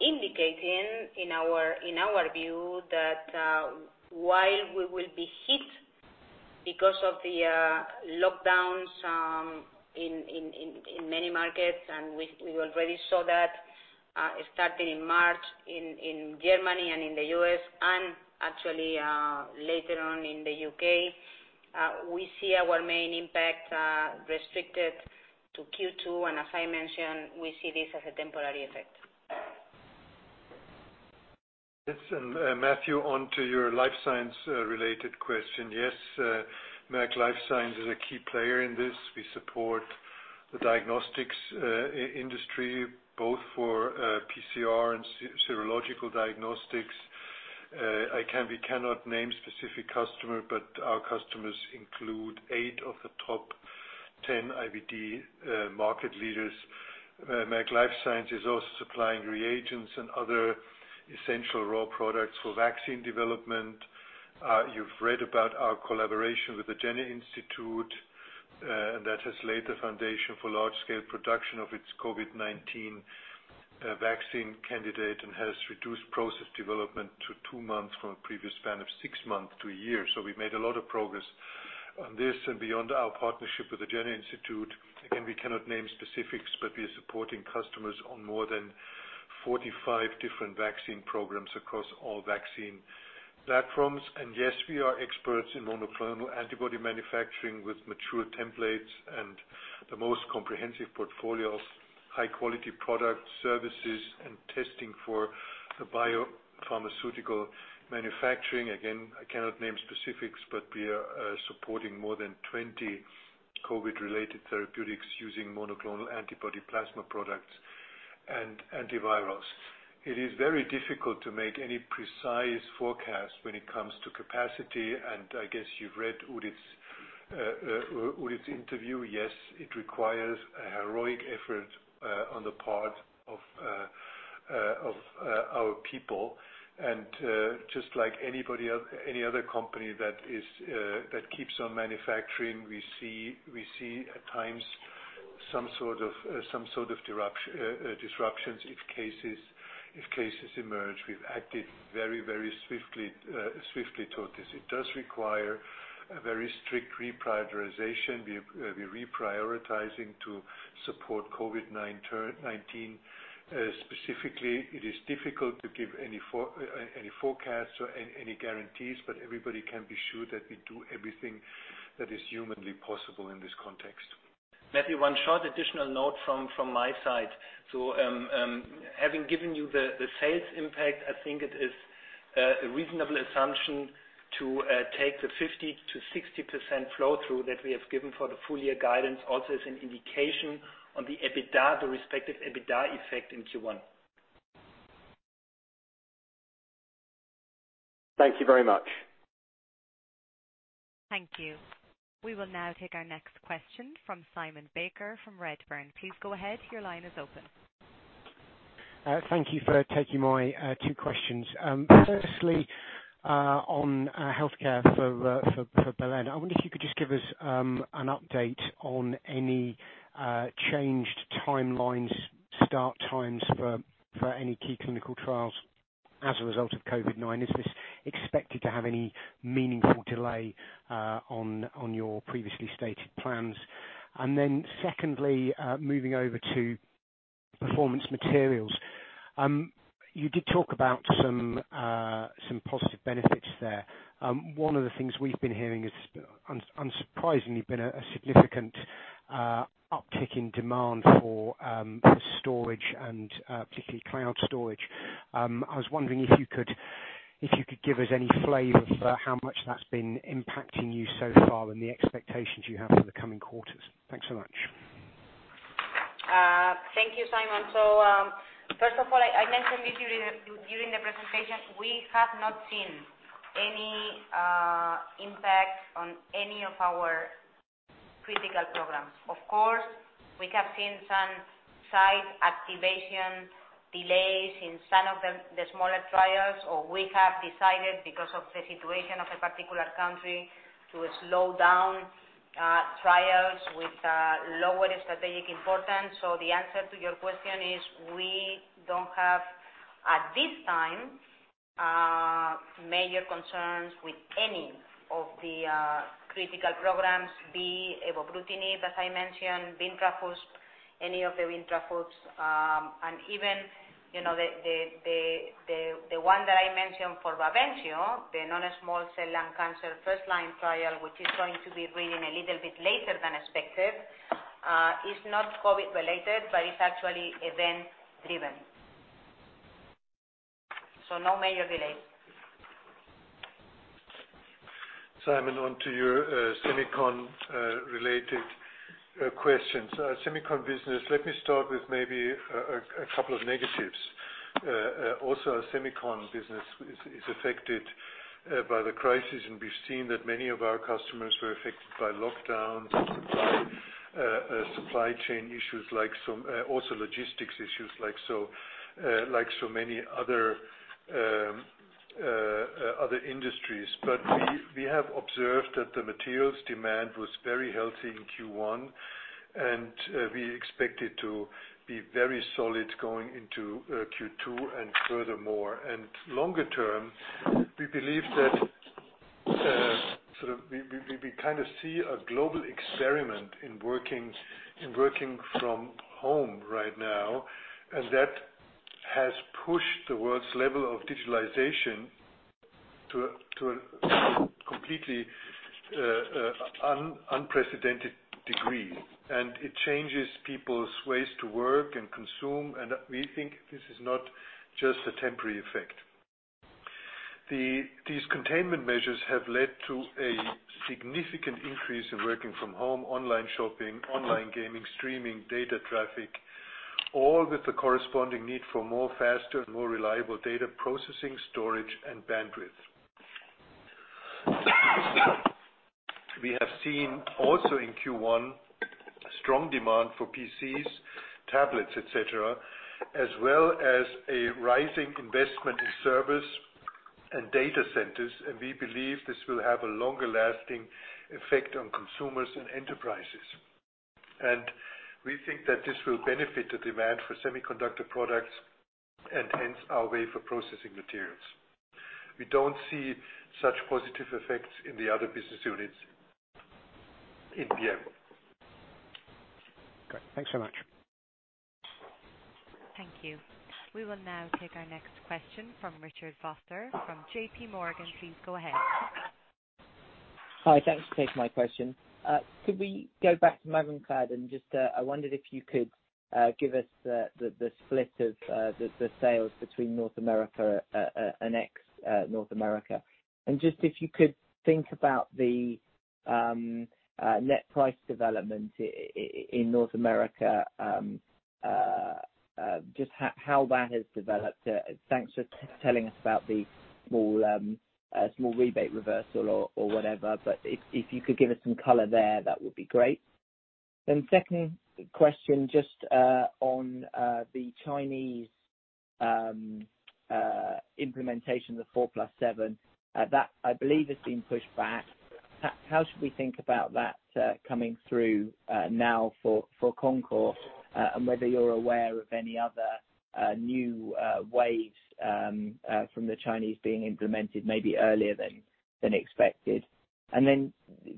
indicating, in our view, that while we will be hit because of the lockdowns in many markets, and we already saw that starting in March in Germany and in the U.S. and actually later on in the U.K. We see our main impact restricted to Q2, and as I mentioned, we see this as a temporary effect. Yes, Matthew, on to your Life Science-related question. Yes, Merck Life Science is a key player in this. We support the diagnostics industry, both for PCR and serological diagnostics. We cannot name specific customer, but our customers include eight of the top 10 IVD market leaders. Merck Life Science is also supplying reagents and other essential raw products for vaccine development. You've read about our collaboration with the Jenner Institute, and that has laid the foundation for large-scale production of its COVID-19 vaccine candidate and has reduced process development to two months from a previous span of six months to a year. We made a lot of progress on this and beyond our partnership with the Jenner Institute. Again, we cannot name specifics, but we are supporting customers on more than 45 different vaccine programs across all vaccine platforms. Yes, we are experts in monoclonal antibody manufacturing with mature templates and the most comprehensive portfolio of high-quality product services and testing for the biopharmaceutical manufacturing. Again, I cannot name specifics, but we are supporting more than 20 COVID-related therapeutics using monoclonal antibody plasma products and antivirals. It is very difficult to make any precise forecast when it comes to capacity, and I guess you've read Udit's interview. Yes, it requires a heroic effort on the part of our people. Just like any other company that keeps on manufacturing, we see at times some sort of disruptions if cases emerge. We've acted very swiftly toward this. It does require a very strict reprioritization. We're reprioritizing to support COVID-19. Specifically, it is difficult to give any forecasts or any guarantees, but everybody can be sure that we do everything that is humanly possible in this context. Matthew, one short additional note from my side. Having given you the sales impact, I think it is a reasonable assumption to take the 50%-60% flow-through that we have given for the full-year guidance also as an indication on the EBITDA, the respective EBITDA effect in Q1. Thank you very much. Thank you. We will now take our next question from Simon Baker, from Redburn. Please go ahead. Your line is open. Thank you for taking my two questions. Firstly, on healthcare for Belén. I wonder if you could just give us an update on any changed timelines, start times for any key clinical trials as a result of COVID-19. Is this expected to have any meaningful delay on your previously stated plans? Secondly, moving over to Performance Materials. You did talk about some positive benefits there. One of the things we've been hearing is unsurprisingly been a significant uptick in demand for storage and particularly cloud storage. I was wondering if you could give us any flavor for how much that's been impacting you so far and the expectations you have for the coming quarters. Thanks so much. Thank you, Simon. First of all, I mentioned this during the presentation, we have not seen any impact on any of our critical programs. Of course, we have seen some site activation delays in some of the smaller trials, or we have decided, because of the situation of a particular country, to slow down trials with lower strategic importance. The answer to your question is we don't have, at this time, major concerns with any of the critical programs, be it ibrutinib, as I mentioned, bintrafusp, any of the bintrafusp. Even the one that I mentioned for BAVENCIO, the non-small cell lung cancer first line trial, which is going to be reading a little bit later than expected, is not COVID related, but it's actually event driven. No major delays. Simon, on to your semicon related questions. Semiconductor business, let me start with maybe a couple of negatives. Our Semiconductor business is affected by the crisis, and we've seen that many of our customers were affected by lockdowns and supply chain issues, also logistics issues like so many other industries. We have observed that the materials demand was very healthy in Q1, and we expect it to be very solid going into Q2 and furthermore. Longer term, we believe that we kind of see a global experiment in working from home right now, and that has pushed the world's level of digitalization to a completely unprecedented degree, and it changes people's ways to work and consume, and we think this is not just a temporary effect. These containment measures have led to a significant increase in working from home, online shopping, online gaming, streaming, data traffic, all with the corresponding need for more faster and more reliable data processing, storage, and bandwidth. We have seen also in Q1, strong demand for PCs, tablets, et cetera, as well as a rising investment in servers and data centers, and we believe this will have a longer-lasting effect on consumers and enterprises. We think that this will benefit the demand for semiconductor products and hence our wafer processing materials. We don't see such positive effects in the other business units in PM. Okay. Thanks so much. Thank you. We will now take our next question from Richard Vosser from J.P. Morgan. Please go ahead. Hi. Thanks for taking my question. Could we go back to MAVENCLAD? Just, I wondered if you could give us the split of the sales between North America and ex-North America. Just if you could think about the net price development in North America, just how that has developed. Thanks for telling us about the small rebate reversal or whatever. If you could give us some color there, that would be great. Second question, just on the Chinese implementation, the 4+7. That, I believe, has been pushed back. How should we think about that coming through now for Concor and whether you're aware of any other new waves from the Chinese being implemented maybe earlier than expected?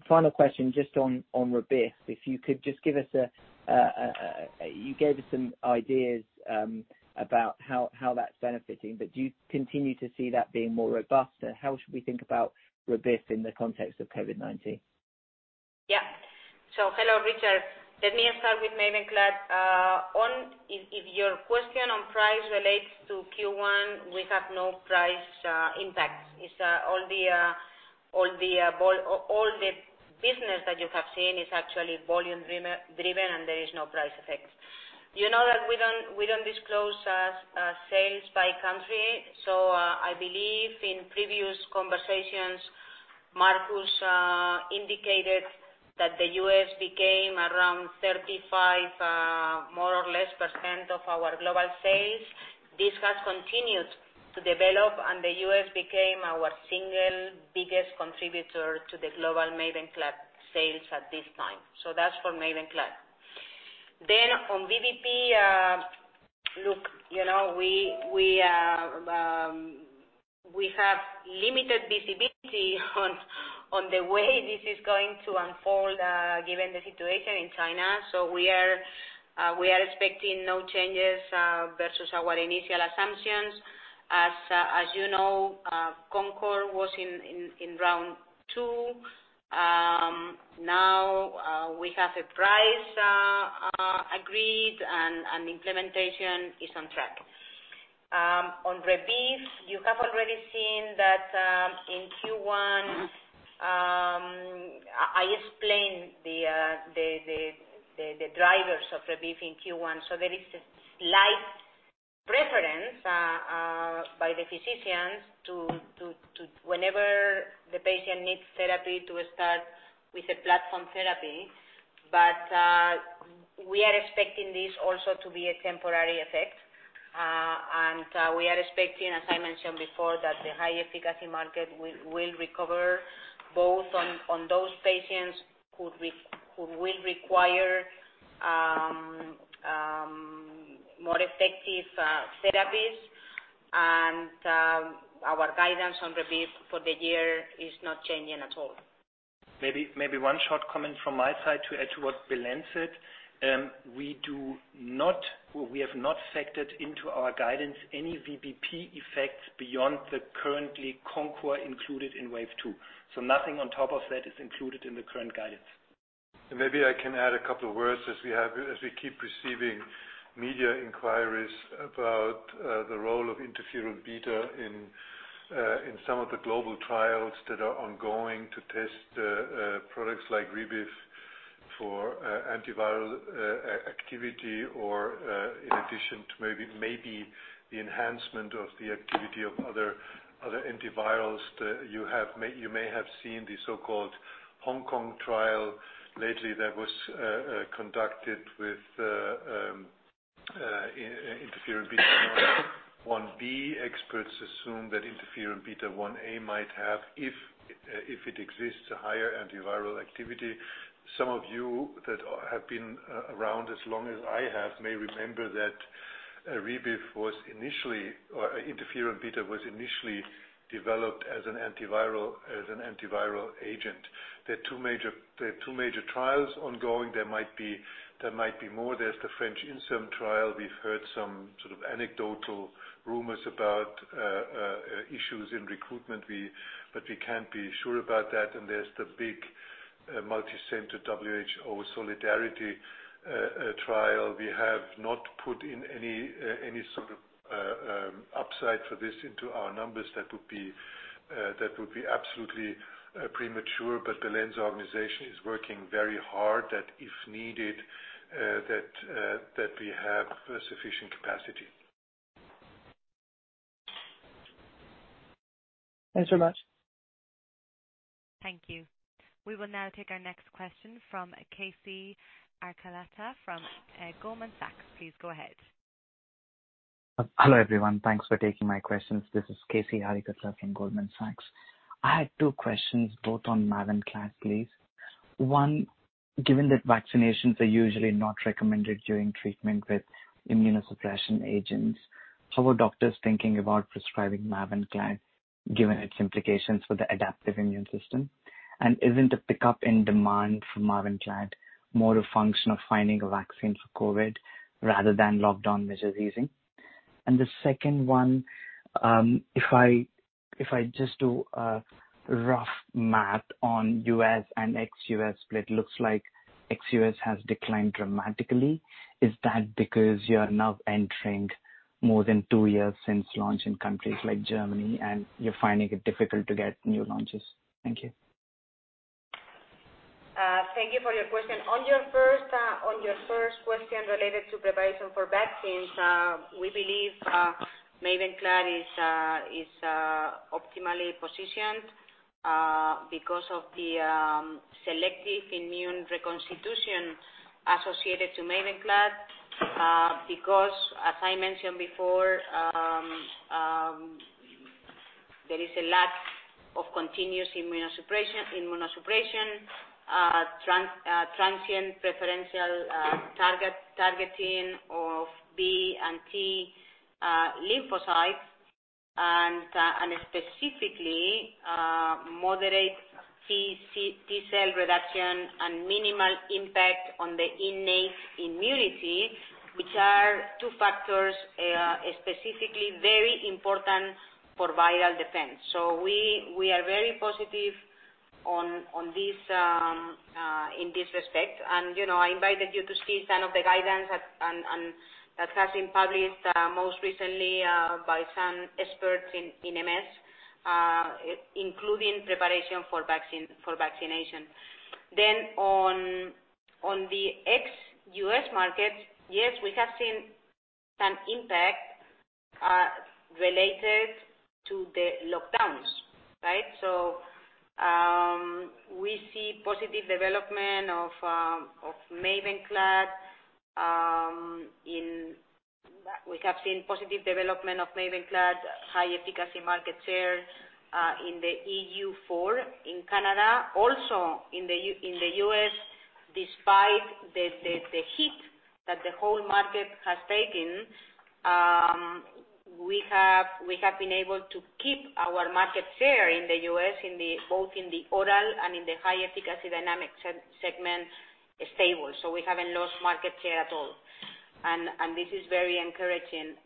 Final question just on Rebif. You gave us some ideas about how that's benefiting, do you continue to see that being more robust? How should we think about Rebif in the context of COVID-19? Hello, Richard. Let me start with MAVENCLAD. If your question on price relates to Q1, we have no price impact. All the business that you have seen is actually volume-driven, and there is no price effect. You know that we don't disclose sales by country. I believe in previous conversations, Marcus indicated that the U.S. became around 35%, more or less, of our global sales. This has continued to develop, and the U.S. became our single biggest contributor to the global MAVENCLAD sales at this time. That's for MAVENCLAD. On VBP, look, we have limited visibility on the way this is going to unfold given the situation in China. We are expecting no changes versus our initial assumptions. As you know, Concor was in round 2. We have a price agreed and implementation is on track. On Rebif, you have already seen that in Q1. I explained the drivers of Rebif in Q1. There is a slight preference by the physicians to, whenever the patient needs therapy, to start with a platform therapy. We are expecting this also to be a temporary effect. We are expecting, as I mentioned before, that the high-efficacy market will recover both on those patients who will require more effective therapies. Our guidance on Rebif for the year is not changing at all. Maybe one short comment from my side to add to what Belén said. We have not factored into our guidance any VBP effects beyond the currently Concor included in wave 2. Nothing on top of that is included in the current guidance. Maybe I can add a couple of words as we keep receiving media inquiries about the role of interferon beta in some of the global trials that are ongoing to test products like Rebif for antiviral activity or in addition to maybe the enhancement of the activity of other antivirals. You may have seen the so-called Hong Kong trial lately that was conducted with interferon beta-1b. Experts assume that interferon beta-1a might have, if it exists, a higher antiviral activity. Some of you that have been around as long as I have may remember that Rebif, or interferon beta, was initially developed as an antiviral agent. There are two major trials ongoing. There might be more. There's the French INSERM trial. We've heard some sort of anecdotal rumors about issues in recruitment, but we can't be sure about that. There's the big multi-center WHO Solidarity trial. We have not put any sort of upside for this into our numbers. That would be absolutely premature, but the [Lenze] organization is working very hard that, if needed, that we have sufficient capacity. Thanks very much. Thank you. We will now take our next question from Keyur Parekh from Goldman Sachs. Please go ahead. Hello, everyone. Thanks for taking my questions. This is Keyur Parekh from Goldman Sachs. I had two questions, both on MAVENCLAD, please. One, given that vaccinations are usually not recommended during treatment with immunosuppression agents, how are doctors thinking about prescribing MAVENCLAD, given its implications for the adaptive immune system? Isn't the pickup in demand for MAVENCLAD more a function of finding a vaccine for COVID rather than lockdown measures easing? The second one, if I just do a rough math on U.S. and ex-U.S. split, looks like ex-U.S. has declined dramatically. Is that because you are now entering more than two years since launch in countries like Germany, and you're finding it difficult to get new launches? Thank you. Thank you for your question. On your first question related to preparation for vaccines, we believe MAVENCLAD is optimally positioned because of the selective immune reconstitution associated to MAVENCLAD. As I mentioned before, there is a lack of continuous immunosuppression, transient preferential targeting of B and T lymphocytes, and specifically moderate T cell reduction and minimal impact on the innate immunity, which are two factors specifically very important for viral defense. We are very positive in this respect. I invited you to see some of the guidance that has been published, most recently by some experts in MS, including preparation for vaccination. On the ex-U.S. market, yes, we have seen some impact related to the lockdowns. Right? We see positive development of MAVENCLAD. We have seen positive development of MAVENCLAD high-efficacy market share in the EU5, in Canada. In the U.S., despite the hit that the whole market has taken, we have been able to keep our market share in the U.S., both in the oral and in the high-efficacy dynamic segment stable. We haven't lost market share at all. This is very encouraging.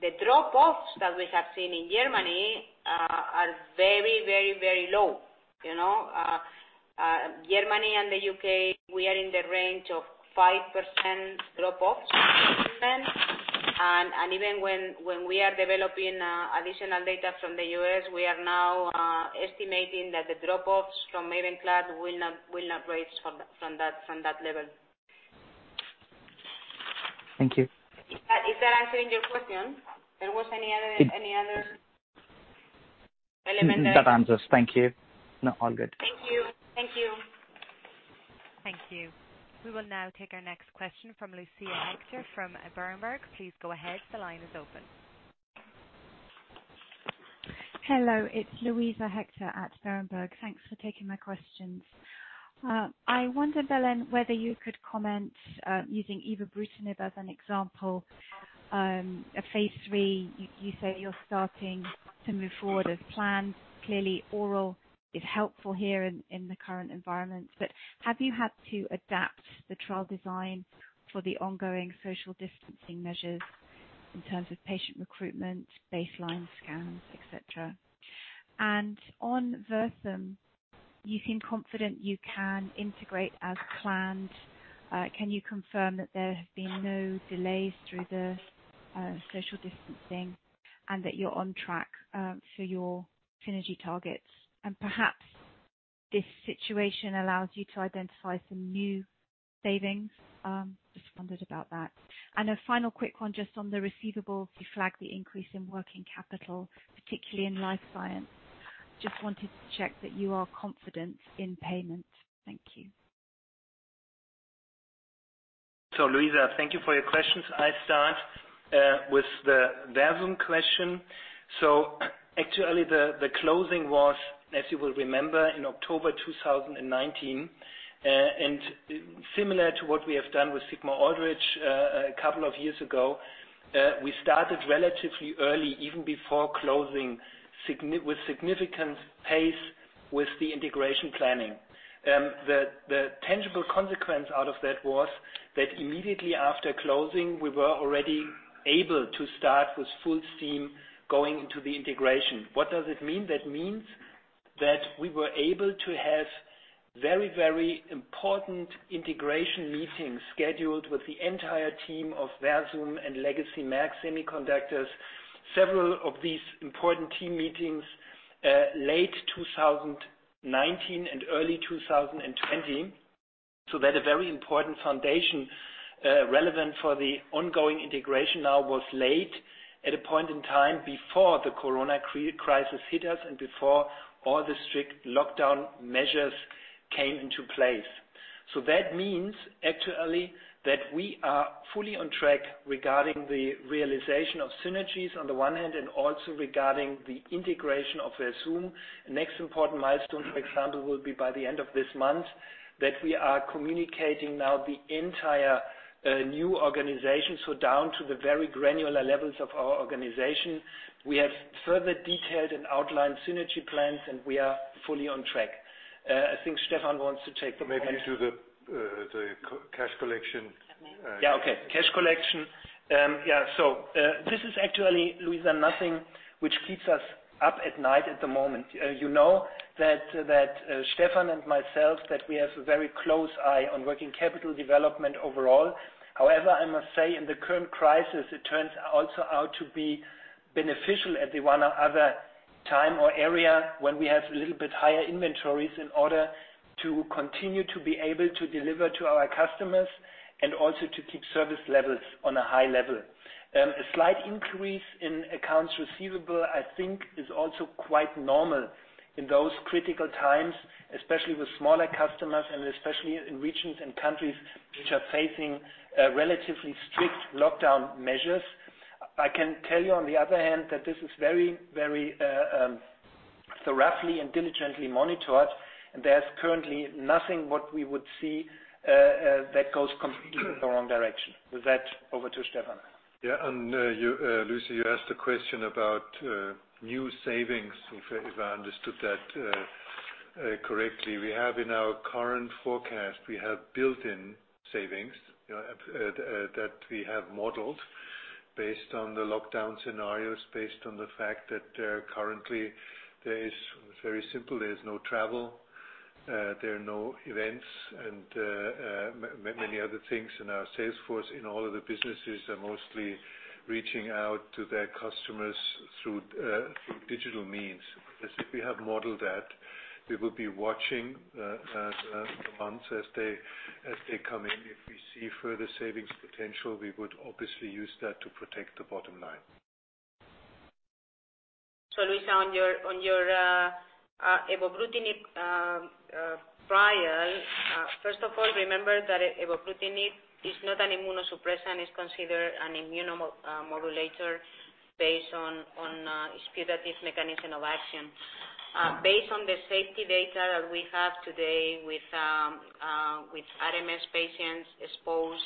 The drop-offs that we have seen in Germany are very, very low. Germany and the U.K., we are in the range of 5% drop-offs. Even when we are developing additional data from the U.S., we are now estimating that the drop-offs from MAVENCLAD will not rise from that level. Thank you. Is that answering your question? There was any other element. That answers. Thank you. All good. Thank you. Thank you. We will now take our next question from Luisa Hector from Berenberg. Please go ahead. The line is open. Hello. It's Luisa Hector at Berenberg. Thanks for taking my questions. I wonder, Belén, whether you could comment, using ibrutinib as an example, phase III, you say you're starting to move forward as planned. Clearly, oral is helpful here in the current environment. Have you had to adapt the trial design for the ongoing social distancing measures in terms of patient recruitment, baseline scans, et cetera? On Versum, you seem confident you can integrate as planned. Can you confirm that there have been no delays through the social distancing, and that you're on track for your synergy targets? Perhaps this situation allows you to identify some new savings. Just wondered about that. A final quick one just on the receivables. You flagged the increase in working capital, particularly in Life Science. Just wanted to check that you are confident in payment. Thank you. Luisa, thank you for your questions. I start with the Versum question. Actually the closing was, as you will remember, in October 2019. Similar to what we have done with Sigma-Aldrich a couple of years ago, we started relatively early, even before closing, with significant pace with the integration planning. The tangible consequence out of that was that immediately after closing, we were already able to start with full steam going into the integration. What does it mean? That means that we were able to have very important integration meetings scheduled with the entire team of Versum and Legacy Merck Semiconductors. Several of these important team meetings late 2019 and early 2020. That a very important foundation, relevant for the ongoing integration now, was laid at a point in time before the Corona crisis hit us and before all the strict lockdown measures came into place. That means actually, that we are fully on track regarding the realization of synergies on the one hand, and also regarding the integration of Versum. Next important milestone, for example, will be by the end of this month, that we are communicating now the entire new organization, so down to the very granular levels of our organization. We have further detailed and outlined synergy plans, and we are fully on track. I think Stefan wants to take. Maybe to the cash collection. Yeah. Okay. Cash collection. This is actually, Luisa, nothing which keeps us up at night at the moment. You know that Stefan and myself, that we have a very close eye on working capital development overall. However, I must say in the current crisis, it turns also out to be beneficial at the one or other time or area when we have little bit higher inventories in order to continue to be able to deliver to our customers, and also to keep service levels on a high level. A slight increase in accounts receivable, I think is also quite normal in those critical times, especially with smaller customers and especially in regions and countries which are facing relatively strict lockdown measures. I can tell you on the other hand, that this is very thoroughly and diligently monitored, and there's currently nothing what we would see that goes completely the wrong direction. With that, over to Stefan. Yeah. Luisa, you asked a question about new savings, if I understood that correctly. We have in our current forecast, we have built in savings that we have modeled based on the lockdown scenarios, based on the fact that there currently there is very simple, there is no travel, there are no events and many other things in our sales force, in all of the businesses are mostly reaching out to their customers through digital means, as if we have modeled that. We will be watching the months as they come in. If we see further savings potential, we would obviously use that to protect the bottom line. Luisa, on your ibrutinib trial. First of all, remember that ibrutinib is not an immunosuppressant, it's considered an immunomodulator based on its putative mechanism of action. Based on the safety data that we have today with RMS patients exposed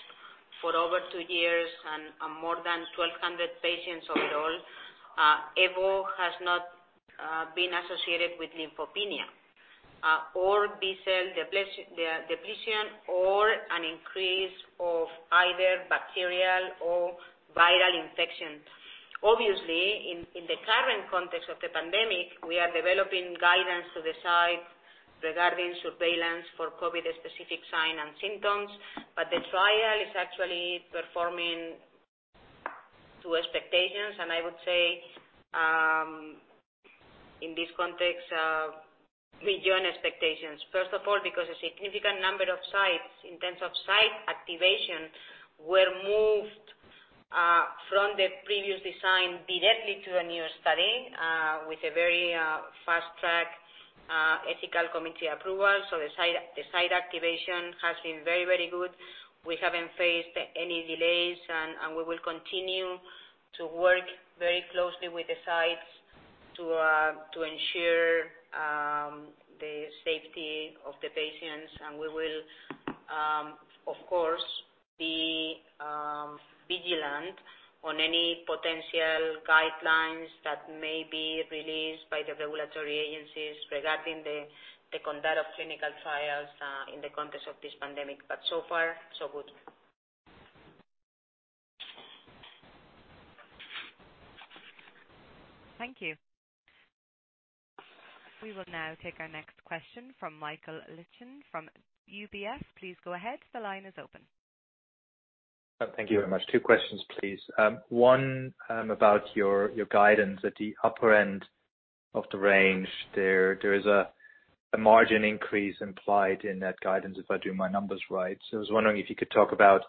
for over 2 years, and more than 1,200 patients overall, evobrutinib has not been associated with lymphopenia or B-cell depletion, or an increase of either bacterial or viral infection. Obviously, in the current context of the pandemic, we are developing guidance to decide regarding surveillance for COVID-19 specific sign and symptoms. The trial is actually performing to expectations. I would say, in this context of region expectations. First of all, because a significant number of sites in terms of site activation were moved from the previous design directly to a new study, with a very fast-track ethical committee approval. The site activation has been very good. We haven't faced any delays, and we will continue to work very closely with the sites to ensure the safety of the patients. We will, of course, be vigilant on any potential guidelines that may be released by the regulatory agencies regarding the conduct of clinical trials in the context of this pandemic. So far, so good. Thank you. We will now take our next question from Michael Leuchten from UBS. Please go ahead. The line is open. Thank you very much. Two questions, please. One about your guidance at the upper end of the range. There is a margin increase implied in that guidance if I do my numbers right. I was wondering if you could talk about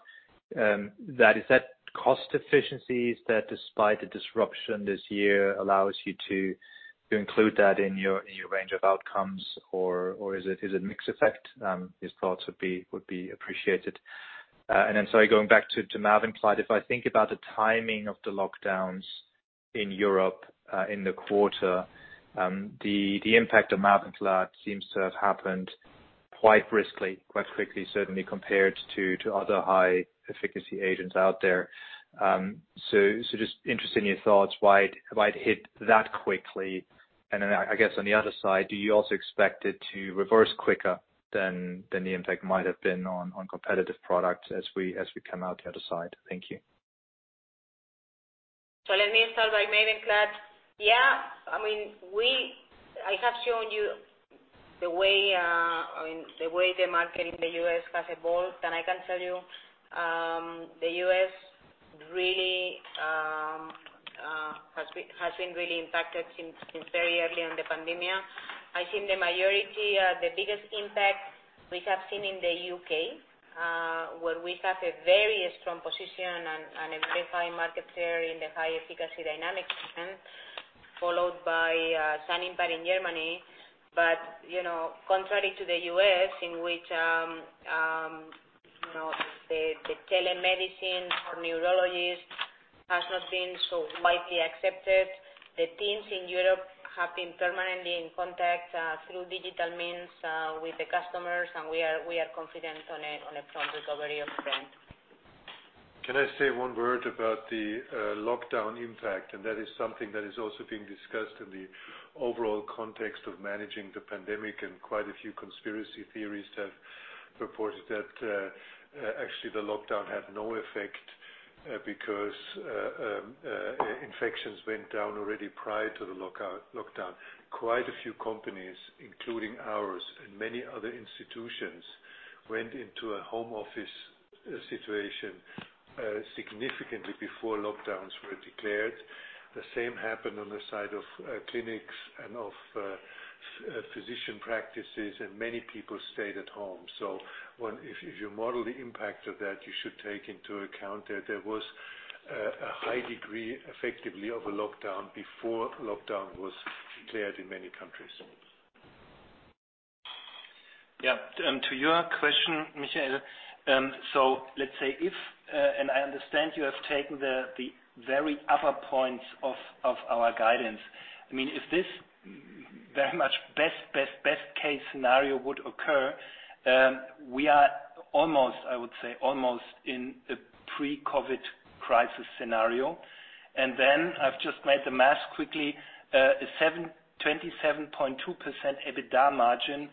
that. Is that cost efficiencies that despite the disruption this year allows you to include that in your range of outcomes, or is it mixed effect? Your thoughts would be appreciated. Sorry, going back to MAVENCLAD. If I think about the timing of the lockdowns in Europe, in the quarter, the impact of MAVENCLAD seems to have happened quite briskly, quite quickly, certainly compared to other high efficacy agents out there. Just interested in your thoughts, why it hit that quickly. I guess on the other side, do you also expect it to reverse quicker than the impact might have been on competitive products as we come out the other side? Thank you. Let me start by MAVENCLAD. I have shown you the way the market in the U.S. has evolved. I can tell you the U.S. has been really impacted since very early in the pandemic. I think the biggest impact we have seen in the U.K., where we have a very strong position and a very high market share in the high efficacy dynamics trend, followed by [Sanner] in Germany. Contrary to the U.S., in which the telemedicine for neurologists has not been so widely accepted. The teams in Europe have been permanently in contact, through digital means, with the customers. We are confident on a strong recovery of the brand. Can I say one word about the lockdown impact? That is something that is also being discussed in the overall context of managing the pandemic and quite a few conspiracy theories have purported that actually the lockdown had no effect because infections went down already prior to the lockdown. Quite a few companies, including ours and many other institutions, went into a home office situation, significantly before lockdowns were declared. The same happened on the side of clinics and of physician practices, and many people stayed at home. If you model the impact of that, you should take into account that there was a high degree effectively of a lockdown before lockdown was declared in many countries. Yeah. To your question, Michael, let's say if, I understand you have taken the very upper points of our guidance. If this very much best case scenario would occur, we are almost, I would say almost in a pre-COVID crisis scenario. I've just made the math quickly. A 27.2% EBITDA margin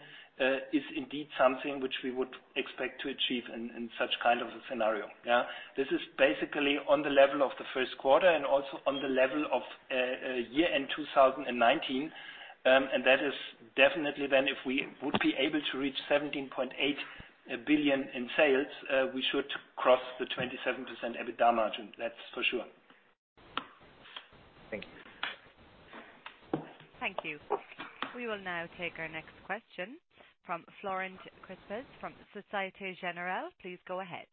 is indeed something which we would expect to achieve in such kind of a scenario. Yeah. This is basically on the level of the first quarter and also on the level of year end 2019. That is definitely if we would be able to reach 17.8 billion in sales, we should cross the 27% EBITDA margin. That's for sure. Thank you. Thank you. We will now take our next question from Florent Cespedes from Societe Generale. Please go ahead.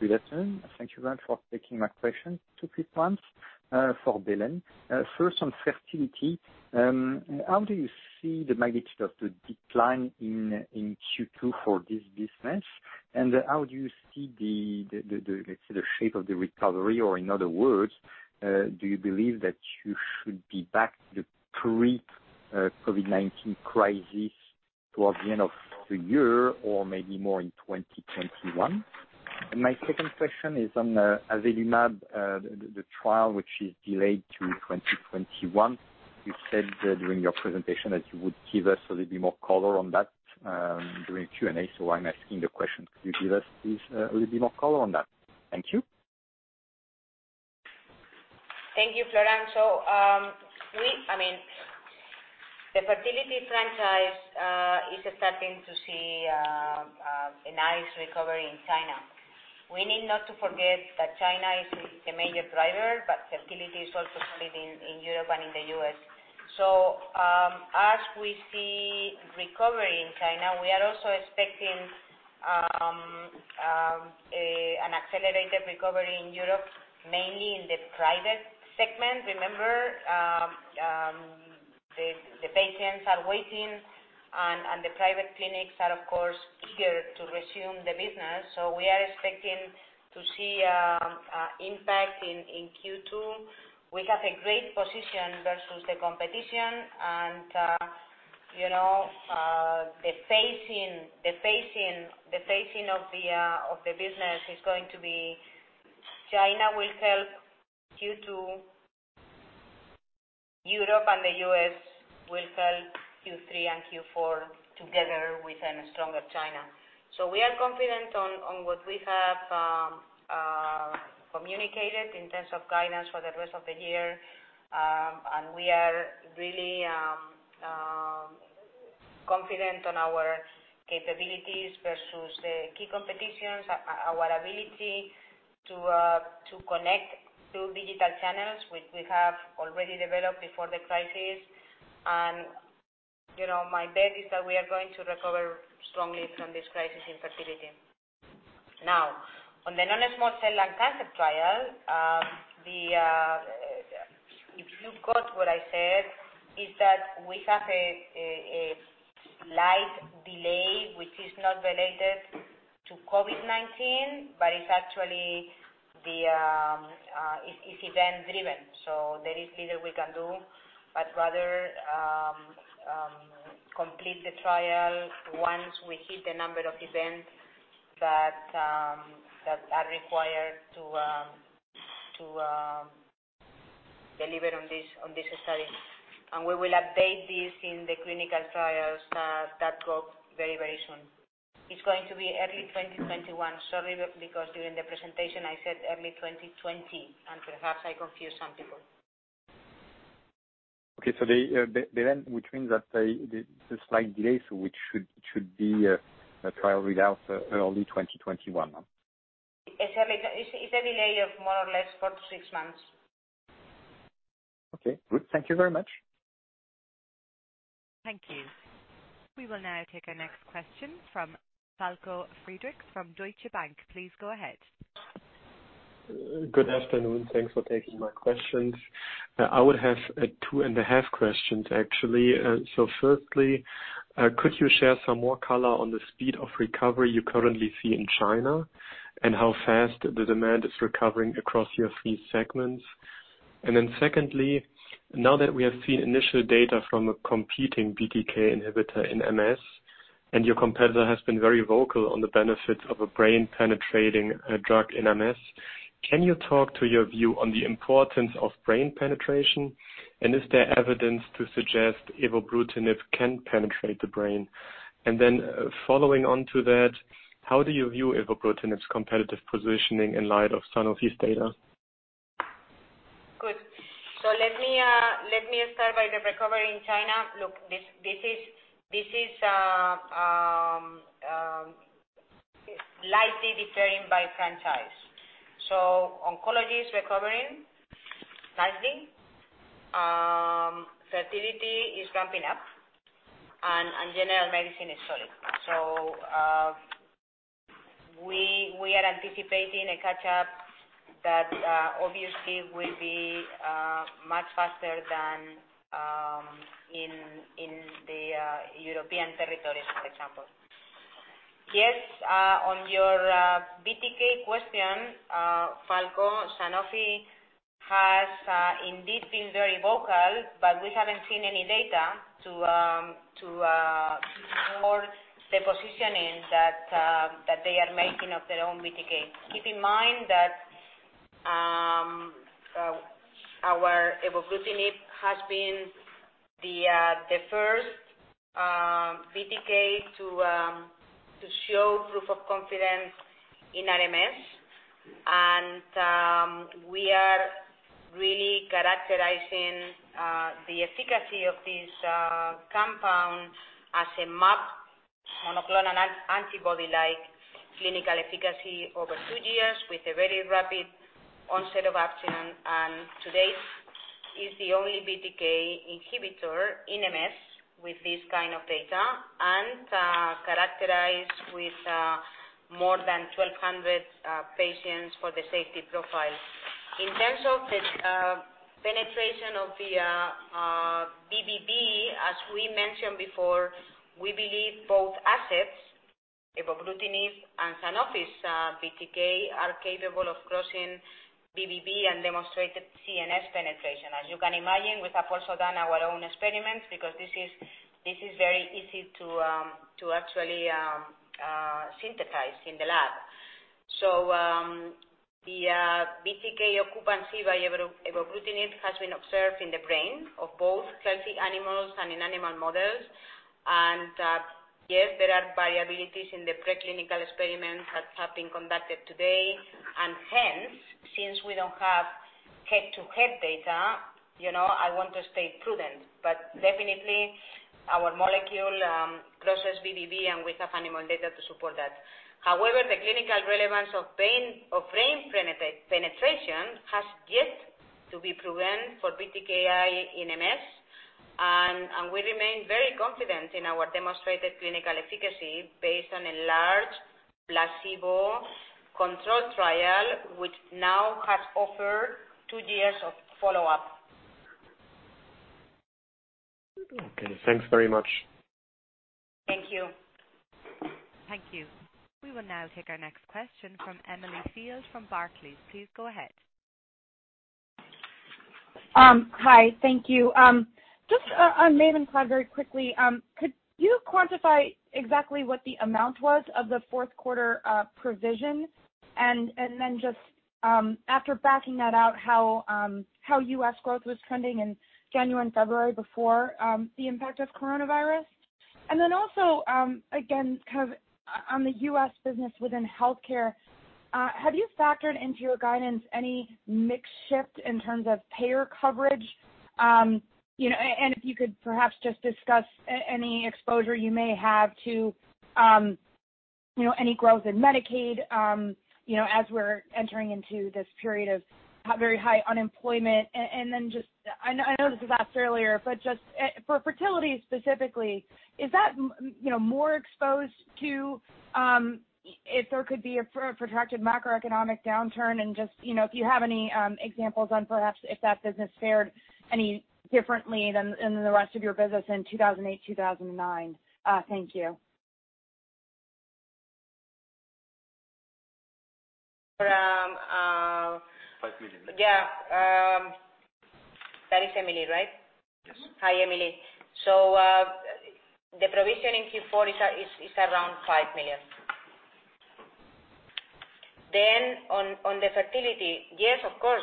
Good afternoon. Thank you very much for taking my question. Two quick ones, for Belén. First on fertility. How do you see the magnitude of the decline in Q2 for this business? And how do you see the shape of the recovery, or in other words, do you believe that you should be back to pre-COVID-19 crisis towards the end of the year or maybe more in 2021? My second question is on avelumab, the trial which is delayed to 2021. You said during your presentation that you would give us a little bit more color on that, during Q&A, so I'm asking the question. Could you give us please a little bit more color on that? Thank you. Thank you, Florent. The fertility franchise is starting to see a nice recovery in China. We need not to forget that China is the major driver, but fertility is also sold in Europe and in the U.S. As we see recovery in China, we are also expecting an accelerated recovery in Europe, mainly in the private segment. Remember, the patients are waiting and the private clinics are, of course, eager to resume the business. We are expecting to see impact in Q2. We have a great position versus the competition and the pacing of the business is going to be China will help Q2. Europe and the U.S. will help Q3 and Q4 together with a stronger China. We are confident on what we have communicated in terms of guidance for the rest of the year. We are really, Confident on our capabilities versus the key competitions, our ability to connect to digital channels, which we have already developed before the crisis. My bet is that we are going to recover strongly from this crisis in fertility. Now, on the non-small cell lung cancer trial, if you caught what I said, is that we have a slight delay, which is not related to COVID-19, but it's actually event-driven. There is little we can do, but rather, complete the trial once we hit the number of events that are required to deliver on this study. We will update this in the clinical trials [unintelligible] very, very soon. It's going to be early 2021. Sorry, because during the presentation I said early 2020, and perhaps I confused some people. Okay. Which means that the slight delay, so it should be a trial readout early 2021 now? It's a delay of more or less four to six months. Okay, good. Thank you very much. Thank you. We will now take our next question from Falko Friedrichs from Deutsche Bank. Please go ahead. Good afternoon. Thanks for taking my questions. I would have two and a half questions, actually. Firstly, could you share some more color on the speed of recovery you currently see in China? How fast the demand is recovering across your three segments. Secondly, now that we have seen initial data from a competing BTK inhibitor in MS, and your competitor has been very vocal on the benefits of a brain-penetrating drug in MS, can you talk to your view on the importance of brain penetration? Is there evidence to suggest ibrutinib can penetrate the brain? Following on to that, how do you view ibrutinib's competitive positioning in light of Sanofi's data? Good. Let me start by the recovery in China. Look, this is lightly differing by franchise. Oncology is recovering nicely. Fertility is ramping up. General medicine is solid. We are anticipating a catch-up that obviously will be much faster than in the European territories, for example. Yes, on your BTK question, Falko, Sanofi has indeed been very vocal, but we haven't seen any data to support the positioning that they are making of their own BTK. Keep in mind that our evobrutinib has been the first BTK to show proof of confidence in RMS. We are really characterizing the efficacy of this compound as a [mAb] monoclonal antibody-like clinical efficacy over two years with a very rapid onset of action. Today is the only BTK inhibitor in MS with this kind of data, and characterized with more than 1,200 patients for the safety profile. In terms of the penetration of the BBB, as we mentioned before, we believe both assets, ibrutinib and Sanofi's BTK, are capable of crossing BBB and demonstrated CNS penetration. As you can imagine, we have also done our own experiments because this is very easy to actually synthesize in the lab. The BTK occupancy by ibrutinib has been observed in the brain of both healthy animals and in animal models. Yes, there are variabilities in the preclinical experiments that have been conducted to date. Hence, since we don't have head-to-head data, I want to stay prudent. Definitely our molecule crosses BBB, and we have animal data to support that. However, the clinical relevance of brain penetration has yet to be proven for BTKI in MS, and we remain very confident in our demonstrated clinical efficacy based on a large placebo-controlled trial, which now has offered two years of follow-up. Okay, thanks very much. Thank you. Thank you. We will now take our next question from Emily Field from Barclays. Please go ahead. Hi. Thank you. Just on MAVENCLAD very quickly, could you quantify exactly what the amount was of the fourth quarter provision and then just after backing that out, how U.S. growth was trending in January and February before the impact of coronavirus? Again, on the U.S. business within Healthcare, have you factored into your guidance any mix shift in terms of payer coverage? And if you could perhaps just discuss any exposure you may have to any growth in Medicaid, as we're entering into this period of very high unemployment. Just, I know this was asked earlier, but just for fertility specifically, is that more exposed to if there could be a protracted macroeconomic downturn and just if you have any examples on perhaps if that business fared any differently than the rest of your business in 2008, 2009. Thank you. Around- EUR 5 million. Yeah. That is Emily, right? Yes. Hi, Emily. The provision in Q4 is around 5 million. On the fertility, yes, of course,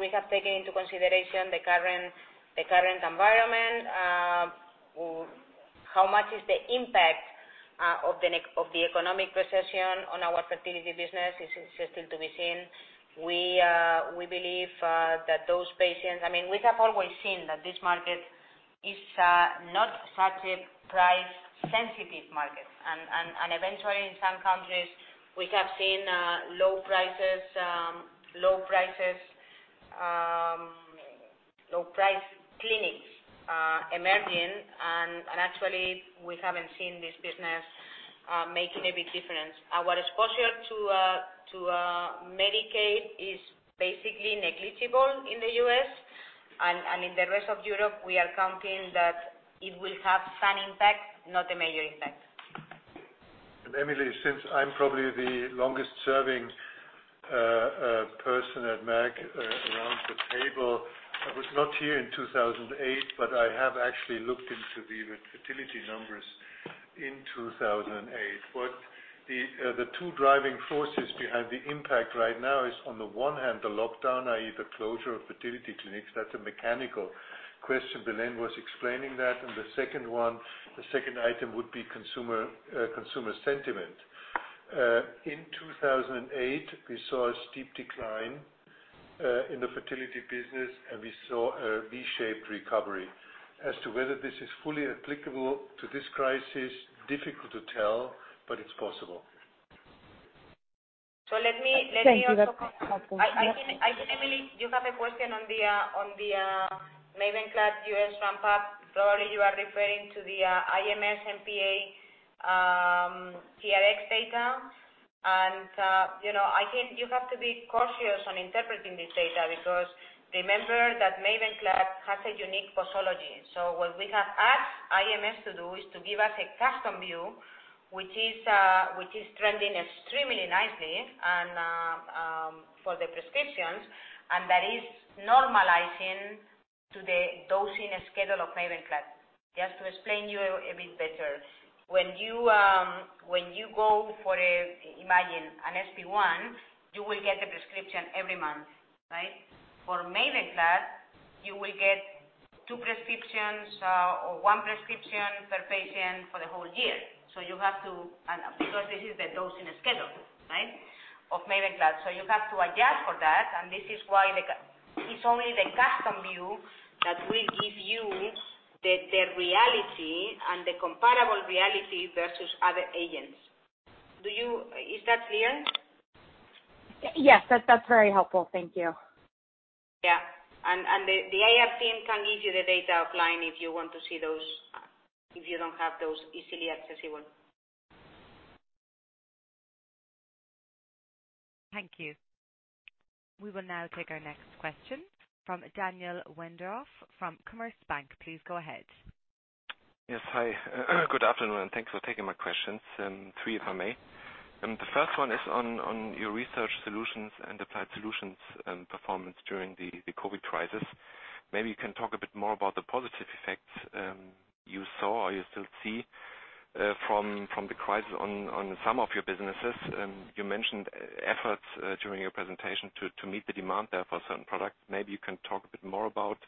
we have taken into consideration the current environment. How much is the impact of the economic recession on our fertility business is still to be seen. We believe that those patients. We have always seen that this market is not such a price-sensitive market. Eventually, in some countries, we have seen low-priced clinics emerging. Actually, we haven't seen this business making a big difference. Our exposure to Medicaid is basically negligible in the U.S., and in the rest of Europe, we are counting that it will have some impact, not a major impact. Emily, since I'm probably the longest-serving person at Merck around the table, I was not here in 2008, but I have actually looked into the fertility numbers in 2008. The two driving forces behind the impact right now is on the one hand, the lockdown, i.e., the closure of fertility clinics. That's a mechanical question. Belén was explaining that. The second item would be consumer sentiment. In 2008, we saw a steep decline in the fertility business, and we saw a V-shaped recovery. As to whether this is fully applicable to this crisis, difficult to tell, but it's possible. Thank you. That's helpful. Emily, you have a question on the MAVENCLAD U.S. ramp-up. Probably you are referring to the IMS NPA TRX data. I think you have to be cautious on interpreting this data because remember that MAVENCLAD has a unique posology. What we have asked IMS to do is to give us a custom view, which is trending extremely nicely for the prescriptions, and that is normalizing to the dosing schedule of MAVENCLAD. Just to explain to you a bit better. When you go for, imagine an S1P, you will get a prescription every month, right? For MAVENCLAD, you will get two prescriptions or one prescription per patient for the whole year. Because this is the dosing schedule of MAVENCLAD. You have to adjust for that, and this is why it's only the custom view that will give you the reality and the comparable reality versus other agents. Is that clear? Yes, that's very helpful. Thank you. Yeah. The AR team can give you the data offline if you don't have those easily accessible. Thank you. We will now take our next question from Daniel Wendorff from Commerzbank. Please go ahead. Yes, hi. Good afternoon, and thanks for taking my questions. Three, if I may. The first one is on your research solutions and applied solutions performance during the COVID-19 crisis. Maybe you can talk a bit more about the positive effects you saw or you still see from the crisis on some of your businesses. You mentioned efforts during your presentation to meet the demand there for certain products. Maybe you can talk a bit more about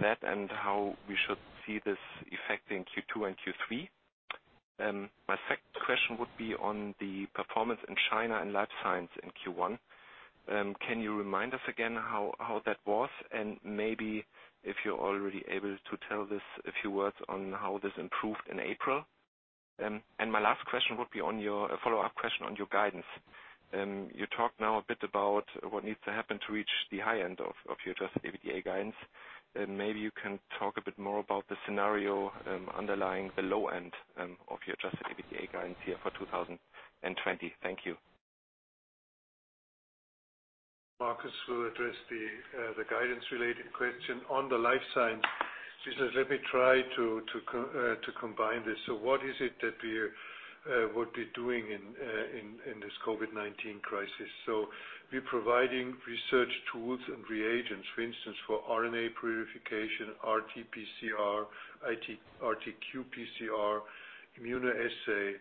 that and how we should see this effect in Q2 and Q3. My second question would be on the performance in China and Life Science in Q1. Can you remind us again how that was, and maybe if you're already able to tell this, a few words on how this improved in April? My last question would be a follow-up question on your guidance. You talked now a bit about what needs to happen to reach the high end of your adjusted EBITDA guidance. Maybe you can talk a bit more about the scenario underlying the low end of your adjusted EBITDA guidance here for 2020. Thank you. Marcus will address the guidance-related question. On the life science business, let me try to combine this. What is it that we would be doing in this COVID-19 crisis? We're providing research tools and reagents, for instance, for RNA purification, RT-PCR, RT-qPCR, immunoassay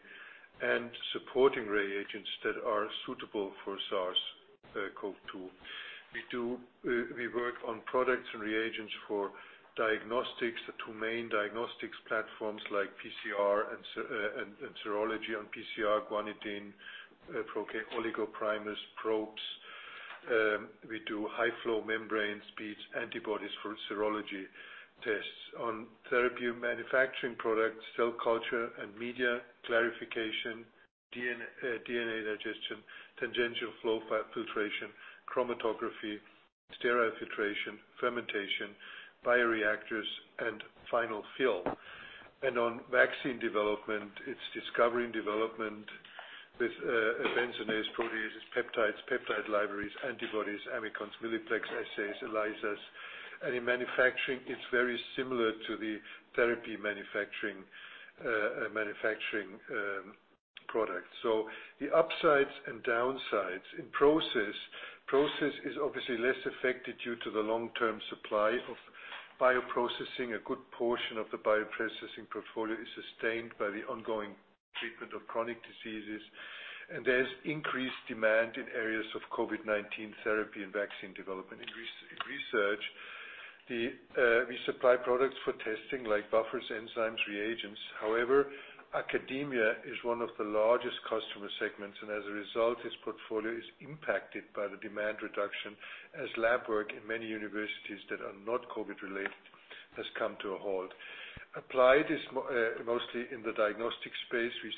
and supporting reagents that are suitable for SARS-CoV-2. We work on products and reagents for diagnostics, the two main diagnostics platforms like PCR and serology on PCR, guanidine, oligoprimers, probes. We do high-flow membrane SPEs, antibodies for serology tests. On therapy manufacturing products, cell culture and media clarification, DNA digestion, tangential flow filtration, chromatography, sterile filtration, fermentation, bioreactors and final fill. On vaccine development, it's discovery and development with Amicon proteases, peptides, peptide libraries, antibodies, Amicons, multiplex assays, ELISAs. In manufacturing, it's very similar to the therapy manufacturing product. The upsides and downsides in process. Process is obviously less affected due to the long-term supply of bioprocessing. A good portion of the bioprocessing portfolio is sustained by the ongoing treatment of chronic diseases. There's increased demand in areas of COVID-19 therapy and vaccine development. In research, we supply products for testing like buffers, enzymes, reagents. However, academia is one of the largest customer segments and as a result, this portfolio is impacted by the demand reduction as lab work in many universities that are not COVID-related has come to a halt. Applied is mostly in the diagnostic space. We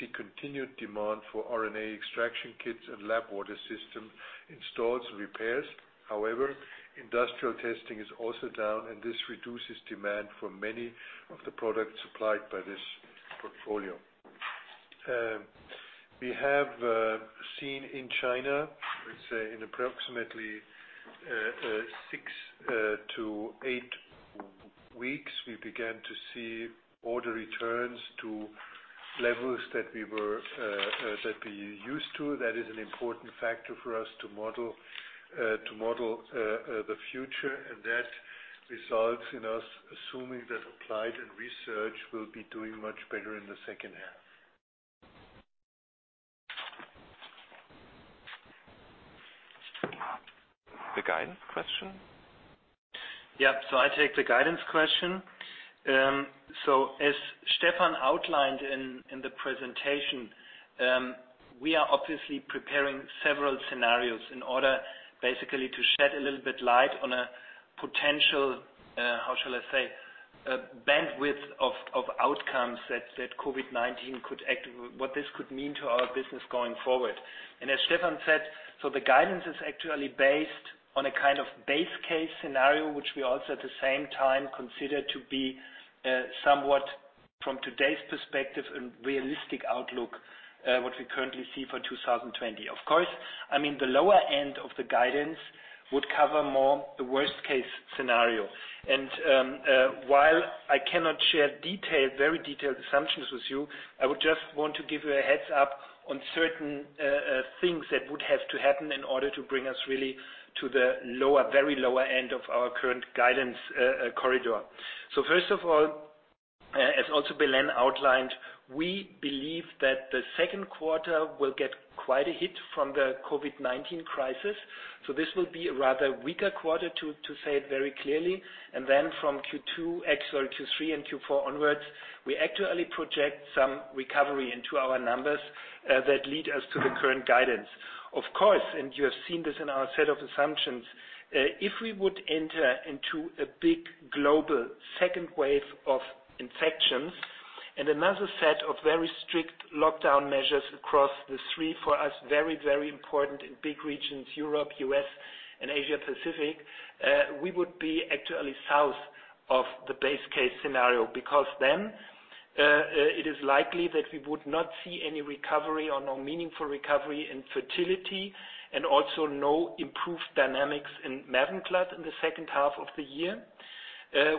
see continued demand for RNA extraction kits and lab water system installs and repairs. However, industrial testing is also down. This reduces demand for many of the products supplied by this portfolio. We have seen in China, let's say in approximately six to eight weeks, we began to see order returns to levels that we're used to. That is an important factor for us to model the future and that results in us assuming that applied and research will be doing much better in the second half. The guidance question? Yeah. I take the guidance question. As Stefan outlined in the presentation, we are obviously preparing several scenarios in order basically to shed a little bit light on a potential, how shall I say, bandwidth of outcomes that COVID-19 could act, what this could mean to our business going forward. As Stefan said, so the guidance is actually based on a kind of base case scenario, which we also at the same time consider to be somewhat from today's perspective, a realistic outlook, what we currently see for 2020. Of course, I mean, the lower end of the guidance would cover more the worst-case scenario. While I cannot share very detailed assumptions with you, I would just want to give you a heads up on certain things that would have to happen in order to bring us really to the very lower end of our current guidance corridor. First of all, as also Belén outlined, we believe that the second quarter will get quite a hit from the COVID-19 crisis. This will be a rather weaker quarter to say it very clearly. Then from Q2, actually Q3 and Q4 onwards, we actually project some recovery into our numbers that lead us to the current guidance. Of course, you have seen this in our set of assumptions, if we would enter into a big global second wave of infections and another set of very strict lockdown measures across the three for us, very, very important and big regions, Europe, U.S. and Asia Pacific, we would be actually south of the base case scenario because then it is likely that we would not see any recovery or no meaningful recovery in fertility and also no improved dynamics in MAVENCLAD in the second half of the year.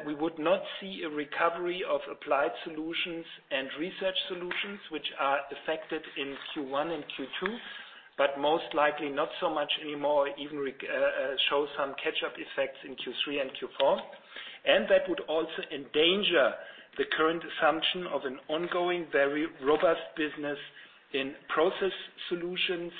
We would not see a recovery of applied solutions and research solutions which are affected in Q1 and Q2, but most likely not so much anymore, even show some catch-up effects in Q3 and Q4. That would also endanger the current assumption of an ongoing, very robust business in Process Solutions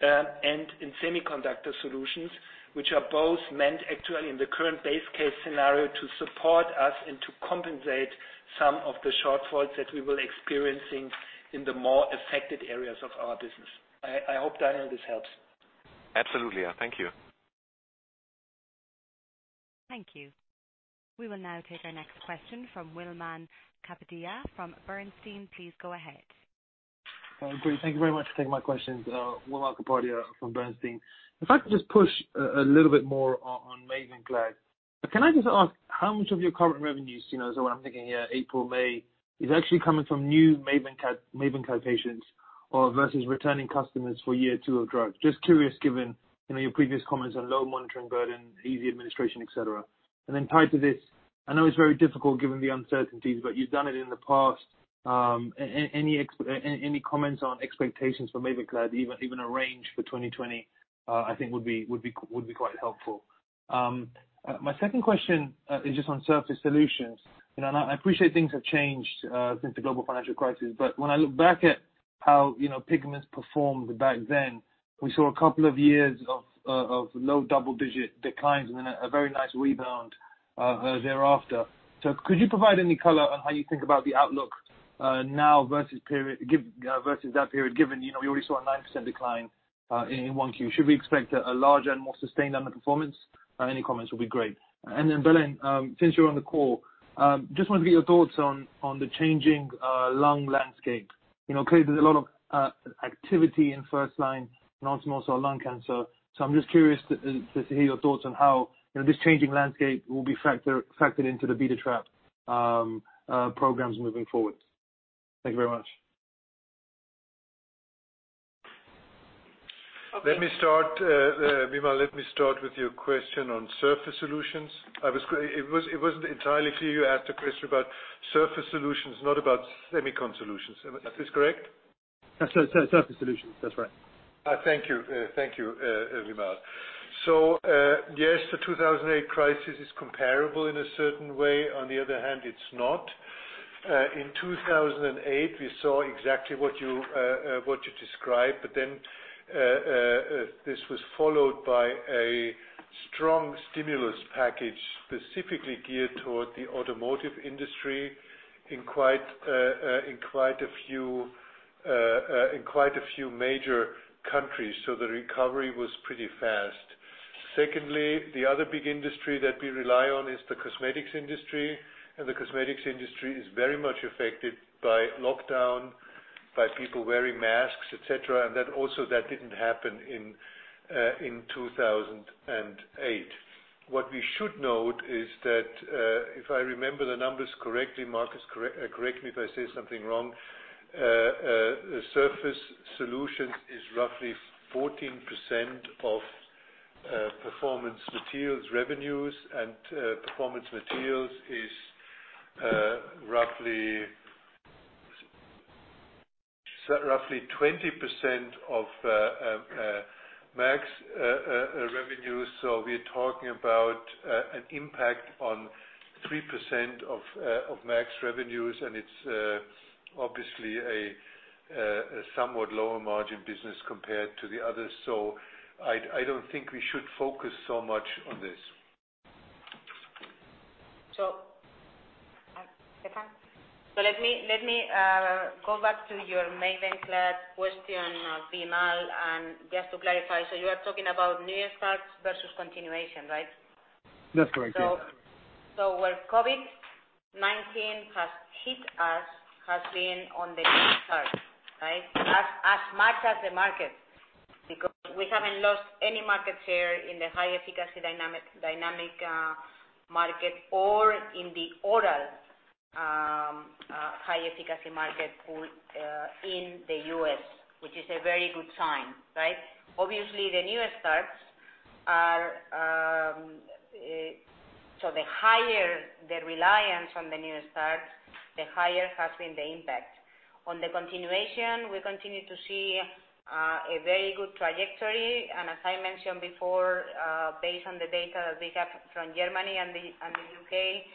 and in Semiconductor Solutions, which are both meant actually in the current base case scenario to support us and to compensate some of the shortfalls that we will experiencing in the more affected areas of our business. I hope, Daniel, this helps. Absolutely. Thank you. Thank you. We will now take our next question from Wimal Kapadia from Bernstein. Please go ahead. Great. Thank you very much for taking my questions. Wimal Kapadia from Bernstein. If I could just push a little bit more on MAVENCLAD. Can I just ask how much of your current revenues, what I'm thinking here, April, May, is actually coming from new MAVENCLAD patients or versus returning customers for year two of drug? Just curious, given your previous comments on low monitoring burden, easy administration, et cetera. Tied to this, I know it's very difficult given the uncertainties, but you've done it in the past. Any comments on expectations for MAVENCLAD? Even a range for 2020, I think would be quite helpful. My second question is just on Surface Solutions. I appreciate things have changed since the global financial crisis, but when I look back at how pigments performed back then. We saw a couple of years of low double-digit declines and then a very nice rebound thereafter. Could you provide any color on how you think about the outlook now versus that period given we already saw a 9% decline in one Q? Should we expect a larger and more sustained underperformance? Any comments will be great. Then, Belén, since you're on the call, just wanted to get your thoughts on the changing lung landscape. Clearly, there's a lot of activity in first-line non-small cell lung cancer. I'm just curious to hear your thoughts on how this changing landscape will be factored into the Bintrafusp programs moving forward. Thank you very much. Wimal, let me start with your question on Surface Solutions. It wasn't entirely clear. You asked a question about Surface Solutions, not about Semiconductor Solutions. Is this correct? Surface Solutions. That's right. Thank you, Wimal. Yes, the 2008 crisis is comparable in a certain way. On the other hand, it's not. In 2008, we saw exactly what you described, this was followed by a strong stimulus package specifically geared toward the automotive industry in quite a few major countries. The recovery was pretty fast. Secondly, the other big industry that we rely on is the cosmetics industry, the cosmetics industry is very much affected by lockdown, by people wearing masks, et cetera. That also didn't happen in 2008. What we should note is that, if I remember the numbers correctly, Marcus, correct me if I say something wrong, Surface Solutions is roughly 14% of Performance Materials' revenues, Performance Materials is roughly 20% of Merck's revenues. We're talking about an impact on 3% of Merck's revenues, and it's obviously a somewhat lower margin business compared to the others. I don't think we should focus so much on this. Stefan. Let me go back to your MAVENCLAD question, Wimal, and just to clarify, so you are talking about new starts versus continuation, right? That's correct. Where COVID-19 has hit us has been on the new starts, right? As much as the market, because we haven't lost any market share in the high-efficacy dynamic market or in the oral high-efficacy market pool in the U.S., which is a very good sign, right? Obviously, the higher the reliance on the new starts, the higher has been the impact. On the continuation, we continue to see a very good trajectory. As I mentioned before, based on the data that we have from Germany and the U.K.,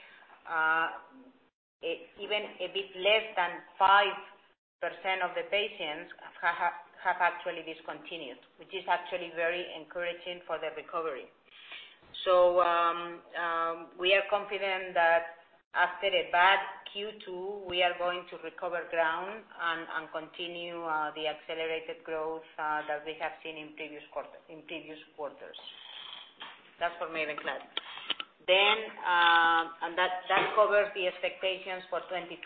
even a bit less than 5% of the patients have actually discontinued, which is actually very encouraging for the recovery. We are confident that after a bad Q2, we are going to recover ground and continue the accelerated growth that we have seen in previous quarters. That's for MAVENCLAD. That covers the expectations for 2020.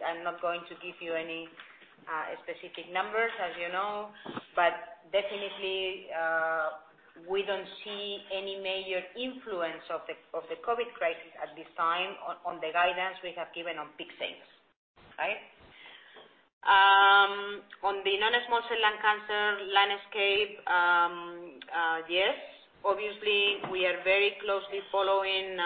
I'm not going to give you any specific numbers, as you know. Definitely, we don't see any major influence of the COVID crisis at this time on the guidance we have given on peak sales. Right? On the non-small cell lung cancer landscape, yes, obviously, we are very closely following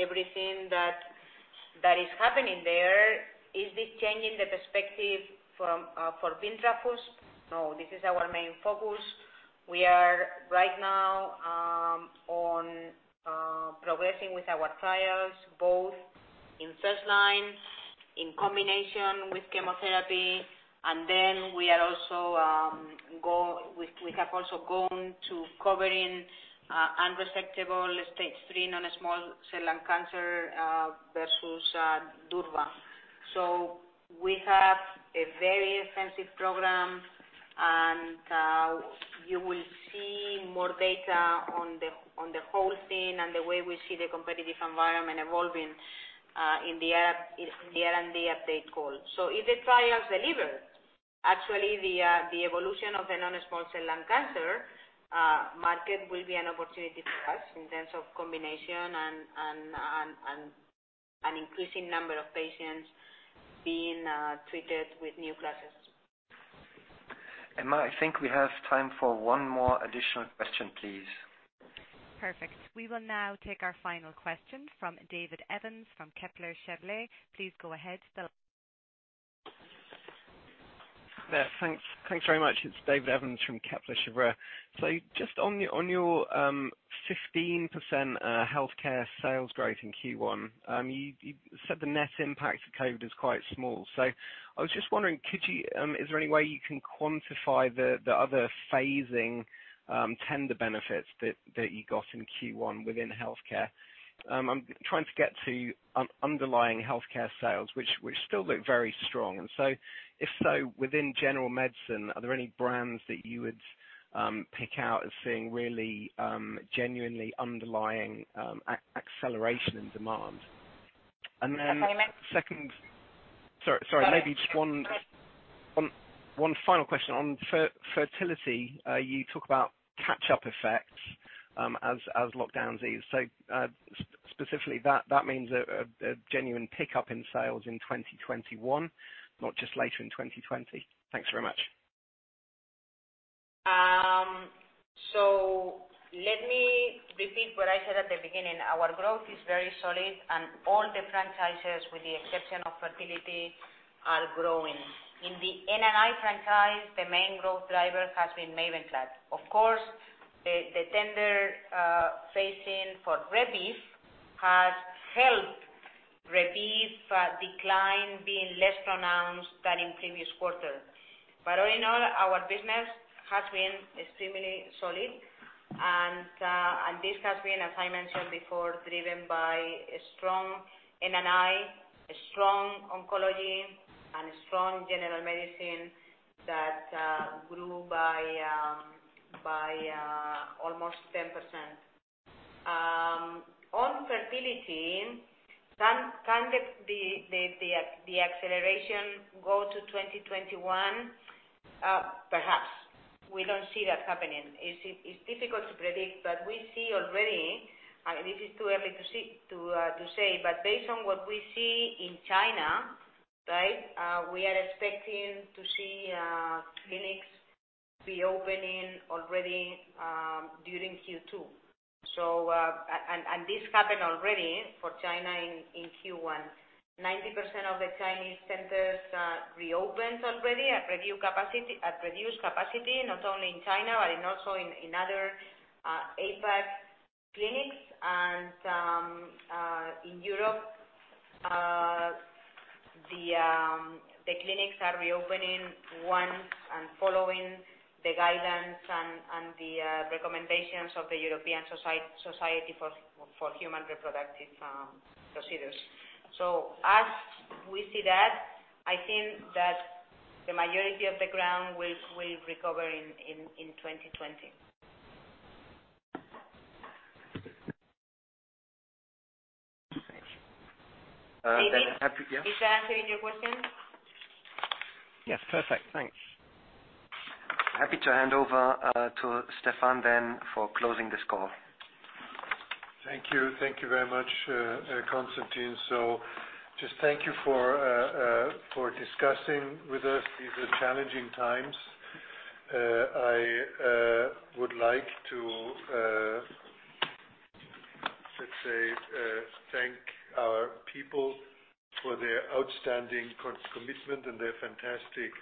everything that is happening there. Is this changing the perspective for bintrafusp? No, this is our main focus. We are right now on progressing with our trials, both in first line, in combination with chemotherapy. We have also gone to covering unresectable stage III non-small cell lung cancer versus durvalumab. We have a very offensive program, and you will see more data on the whole scene and the way we see the competitive environment evolving in the R&D update call. If the trials deliver, actually, the evolution of the Non-Small Cell Lung Cancer market will be an opportunity for us in terms of combination and increasing number of patients being treated with new classes. Emma, I think we have time for one more additional question, please. Perfect. We will now take our final question from David Evans from Kepler Cheuvreux. Please go ahead, . Yeah, thanks very much. It's David Evans from Kepler Cheuvreux. Just on your 15% healthcare sales growth in Q1, you said the net impact of COVID is quite small. I was just wondering, is there any way you can quantify the other phasing tender benefits that you got in Q1 within healthcare? I'm trying to get to underlying healthcare sales, which still look very strong. If so, within general medicine, are there any brands that you would pick out as seeing really genuinely underlying acceleration in demand? Is that what you meant? Sorry. Maybe just one final question. On fertility, you talk about catch-up effects as lockdowns ease. Specifically that means a genuine pickup in sales in 2021, not just later in 2020. Thanks very much. Let me repeat what I said at the beginning. Our growth is very solid and all the franchises, with the exception of fertility, are growing. In the N&I franchise, the main growth driver has been MAVENCLAD. Of course, the tender phasing for Rebif has helped Rebif decline being less pronounced than in previous quarters. All in all, our business has been extremely solid, and this has been, as I mentioned before, driven by a strong N&I, a strong oncology, and a strong general medicine that grew by almost 10%. On fertility, can the acceleration go to 2021? Perhaps. We don't see that happening. It's difficult to predict, we see already, and this is too early to say, based on what we see in China, we are expecting to see clinics reopening already during Q2. This happened already for China in Q1. 90% of the Chinese centers reopened already at reduced capacity, not only in China, but also in other APAC clinics. In Europe, the clinics are reopening once and following the guidance and the recommendations of the European Society for Human Reproductive procedures. As we see that, I think that the majority of the ground will recover in 2020. Thanks. David, did that answer your question? Yes, perfect. Thanks. Happy to hand over to Stefan then for closing this call. Thank you. Thank you very much, Constantin. Thank you for discussing with us these challenging times. I would like to, let's say, thank our people for their outstanding commitment and their fantastic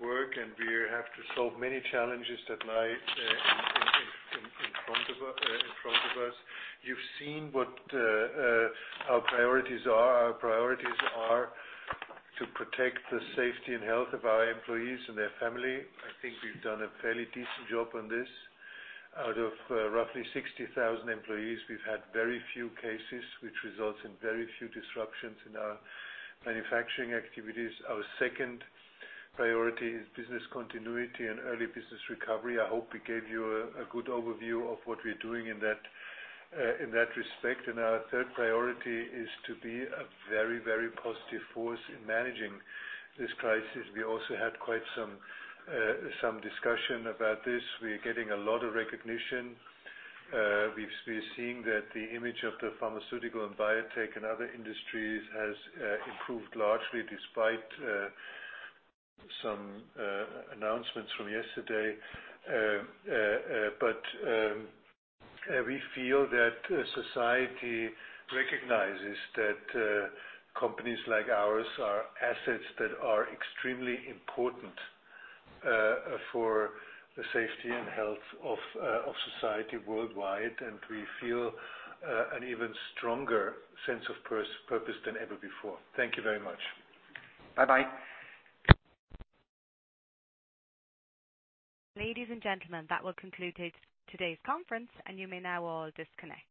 work, and we have to solve many challenges that lie in front of us. You've seen what our priorities are. Our priorities are to protect the safety and health of our employees and their family. I think we've done a fairly decent job on this. Out of roughly 60,000 employees, we've had very few cases, which results in very few disruptions in our manufacturing activities. Our second priority is business continuity and early business recovery. I hope we gave you a good overview of what we're doing in that respect. Our third priority is to be a very positive force in managing this crisis. We also had quite some discussion about this. We are getting a lot of recognition. We're seeing that the image of the pharmaceutical and biotech and other industries has improved largely despite some announcements from yesterday. We feel that society recognizes that companies like ours are assets that are extremely important for the safety and health of society worldwide, and we feel an even stronger sense of purpose than ever before. Thank you very much. Bye-bye. Ladies and gentlemen, that will conclude today's conference, and you may now all disconnect.